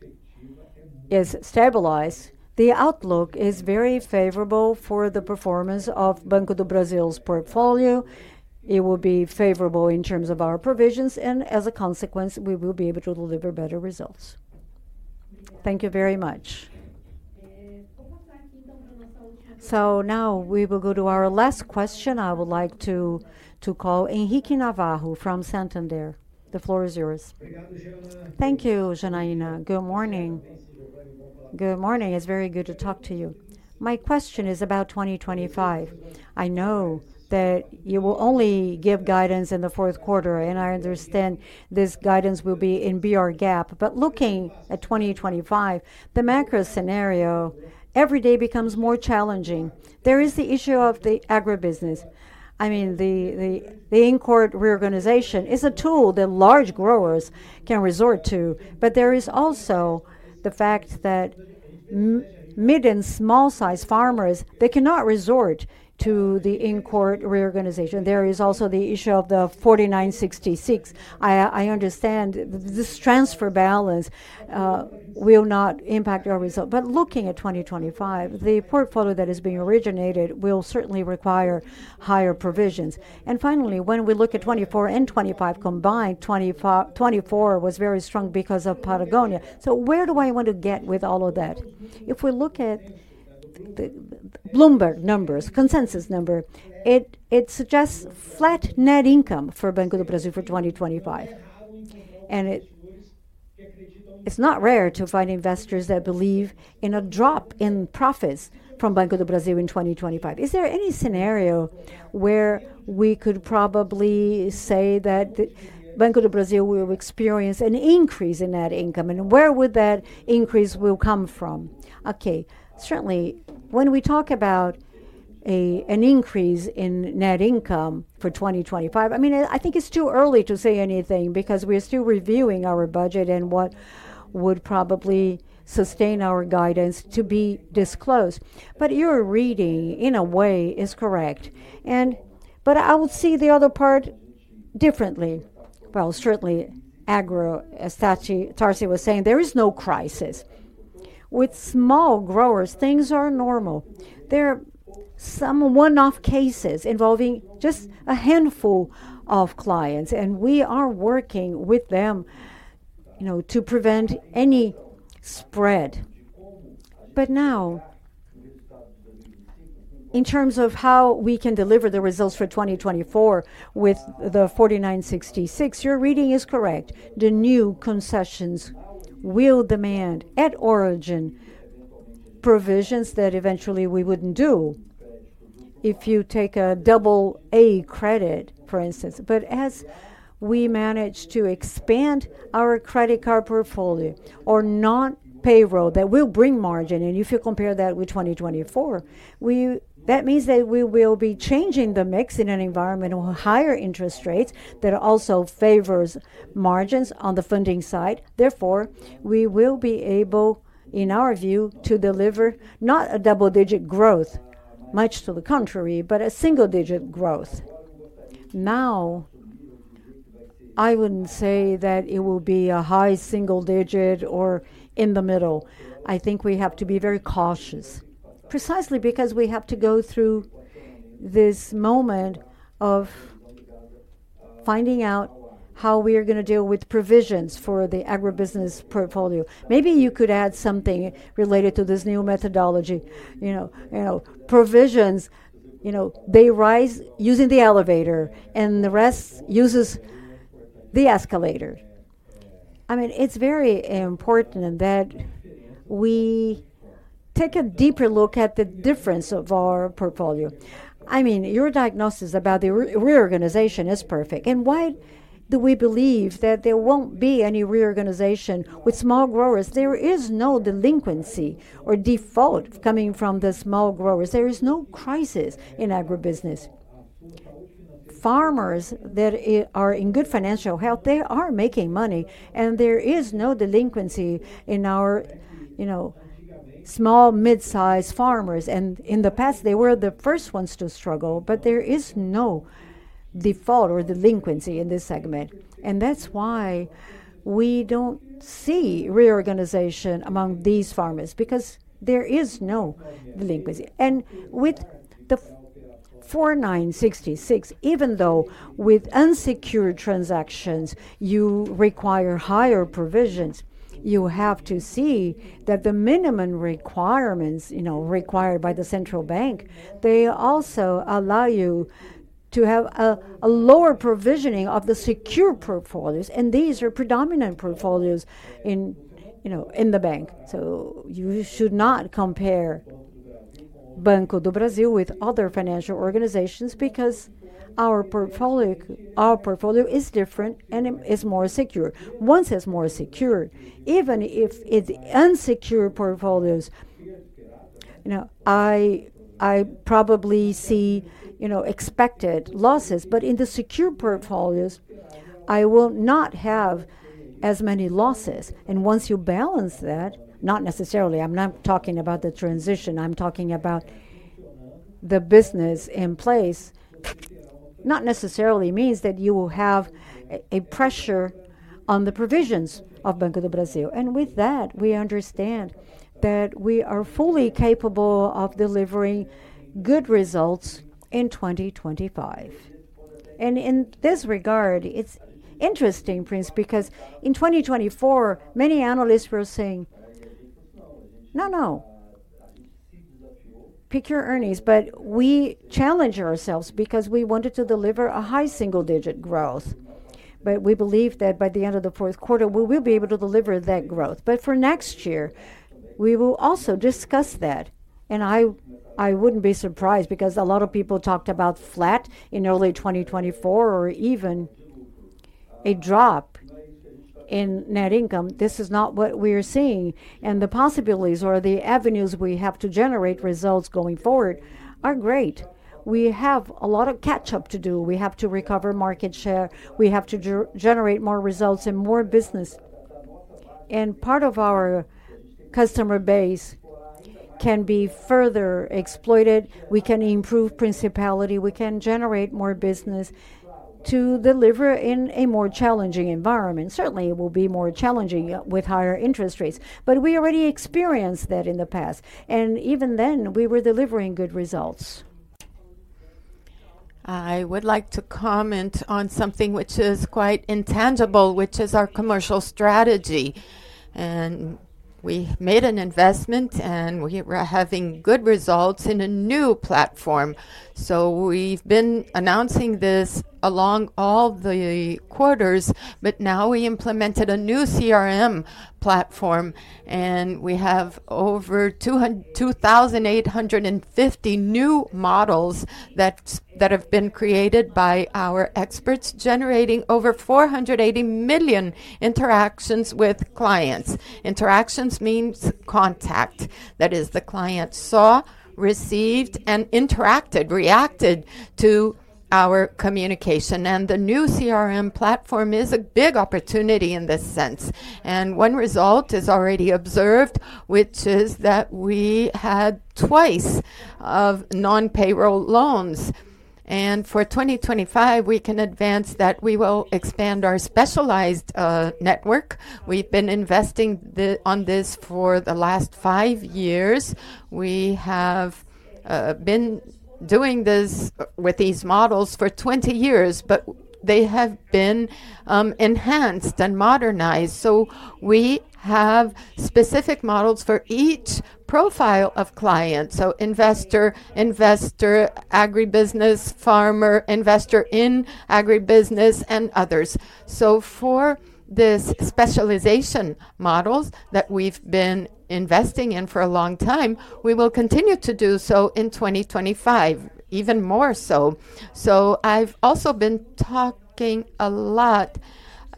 is stabilized, the outlook is very favorable for the performance of Banco do Brasil's portfolio. It will be favorable in terms of our provisions, and as a consequence, we will be able to deliver better results. Thank you very much. So now we will go to our last question. I would like to call Henrique Navarro from Santander. The floor is yours. Thank you, Janaína. Good morning. Good morning. It's very good to talk to you. My question is about 2025. I know that you will only give guidance in the fourth quarter, and I understand this guidance will be in BR GAAP. But looking at 2025, the macro scenario, every day becomes more challenging. There is the issue of the agribusiness. I mean, the in-court reorganization is a tool that large growers can resort to, but there is also the fact that mid and small-sized farmers, they cannot resort to the in-court reorganization. There is also the issue of the 4966. I understand this transfer balance will not impact our result. But looking at 2025, the portfolio that is being originated will certainly require higher provisions. And finally, when we look at 24 and 25 combined, 24 was very strong because of Patagonia. So where do I want to get with all of that? If we look at the Bloomberg numbers, consensus number, it suggests flat net income for Banco do Brasil for 2025. And it's not rare to find investors that believe in a drop in profits from Banco do Brasil in 2025. Is there any scenario where we could probably say that Banco do Brasil will experience an increase in net income? And where would that increase come from? Okay. Certainly, when we talk about an increase in net income for 2025, I mean, I think it's too early to say anything because we are still reviewing our budget and what would probably sustain our guidance to be disclosed. But your reading, in a way, is correct. But I would see the other part differently. Certainly, Agro, as Tarciana was saying, there is no crisis. With small growers, things are normal. There are some one-off cases involving just a handful of clients, and we are working with them to prevent any spread. But now, in terms of how we can deliver the results for 2024 with the 4,966, your reading is correct. The new concessions will demand at origin provisions that eventually we wouldn't do if you take a double-A credit, for instance. But as we manage to expand our credit card portfolio or non-payroll that will bring margin, and if you compare that with 2024, that means that we will be changing the mix in an environment of higher interest rates that also favors margins on the funding side. Therefore, we will be able, in our view, to deliver not a double-digit growth, much to the contrary, but a single-digit growth. Now, I wouldn't say that it will be a high single-digit or in the middle. I think we have to be very cautious, precisely because we have to go through this moment of finding out how we are going to deal with provisions for the agribusiness portfolio. Maybe you could add something related to this new methodology. Provisions, they rise using the elevator, and the rest uses the escalator. I mean, it's very important that we take a deeper look at the difference of our portfolio. I mean, your diagnosis about the reorganization is perfect. And why do we believe that there won't be any reorganization with small growers? There is no delinquency or default coming from the small growers. There is no crisis in agribusiness. Farmers that are in good financial health, they are making money, and there is no delinquency in our small, mid-sized farmers. And in the past, they were the first ones to struggle, but there is no default or delinquency in this segment. And that's why we don't see reorganization among these farmers because there is no delinquency. And with the 4966, even though with unsecured transactions, you require higher provisions. You have to see that the minimum requirements required by the central bank. They also allow you to have a lower provisioning of the secure portfolios, and these are predominant portfolios in the bank. So you should not compare Banco do Brasil with other financial organizations because our portfolio is different and is more secure. Once it's more secure, even if it's unsecured portfolios, I probably see expected losses, but in the secure portfolios, I will not have as many losses. And once you balance that, not necessarily. I'm not talking about the transition. I'm talking about the business in place. Not necessarily means that you will have a pressure on the provisions of Banco do Brasil. And with that, we understand that we are fully capable of delivering good results in 2025. In this regard, it's interesting, Prince, because in 2024, many analysts were saying, "No, no, pick up in earnings," but we challenge ourselves because we wanted to deliver a high single-digit growth. But we believe that by the end of the fourth quarter, we will be able to deliver that growth. But for next year, we will also discuss that. I wouldn't be surprised because a lot of people talked about flat in early 2024 or even a drop in net income. This is not what we are seeing. The possibilities or the avenues we have to generate results going forward are great. We have a lot of catch-up to do. We have to recover market share. We have to generate more results and more business. Part of our customer base can be further exploited. We can improve profitability. We can generate more business to deliver in a more challenging environment. Certainly, it will be more challenging with higher interest rates, but we already experienced that in the past, and even then, we were delivering good results. I would like to comment on something which is quite intangible, which is our commercial strategy, and we made an investment, and we were having good results in a new platform, so we've been announcing this along all the quarters, but now we implemented a new CRM platform, and we have over 2,850 new models that have been created by our experts generating over 480 million interactions with clients. Interactions means contact that is the client saw, received, and interacted, reacted to our communication, and the new CRM platform is a big opportunity in this sense, and one result is already observed, which is that we had twice of non-payroll loans. And for 2025, we can advance that we will expand our specialized network. We've been investing on this for the last five years. We have been doing this with these models for 20 years, but they have been enhanced and modernized. So we have specific models for each profile of clients. So investor, investor, agribusiness, farmer, investor in agribusiness, and others. So for this specialization models that we've been investing in for a long time, we will continue to do so in 2025, even more so. So I've also been talking a lot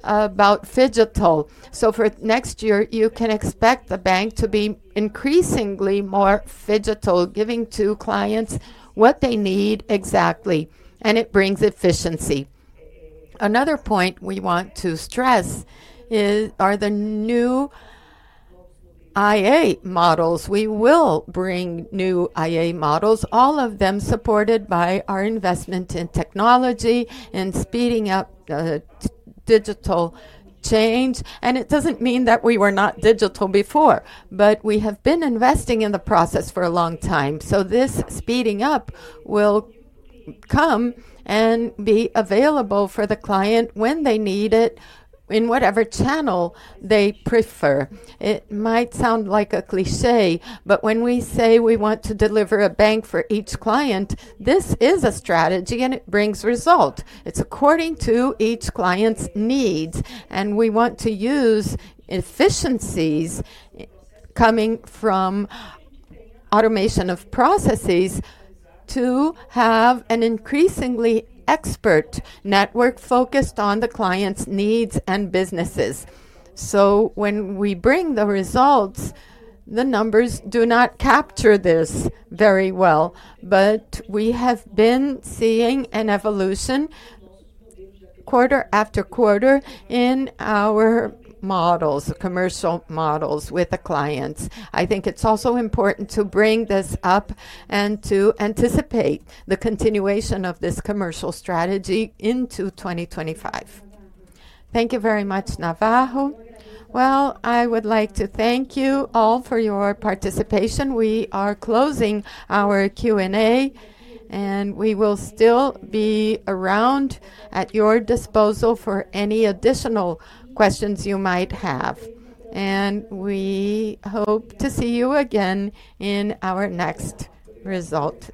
about phygital. So for next year, you can expect the bank to be increasingly more phygital, giving to clients what they need exactly. And it brings efficiency. Another point we want to stress are the new AI models. We will bring new AI models, all of them supported by our investment in technology and speeding up digital change, and it doesn't mean that we were not digital before, but we have been investing in the process for a long time, so this speeding up will come and be available for the client when they need it in whatever channel they prefer. It might sound like a cliché, but when we say we want to deliver a bank for each client, this is a strategy, and it brings results. It's according to each client's needs, and we want to use efficiencies coming from automation of processes to have an increasingly expert network focused on the client's needs and businesses, so when we bring the results, the numbers do not capture this very well. But we have been seeing an evolution quarter after quarter in our models, commercial models with the clients. I think it's also important to bring this up and to anticipate the continuation of this commercial strategy into 2025. Thank you very much, Navarro. Well, I would like to thank you all for your participation. We are closing our Q&A, and we will still be around at your disposal for any additional questions you might have. And we hope to see you again in our next result.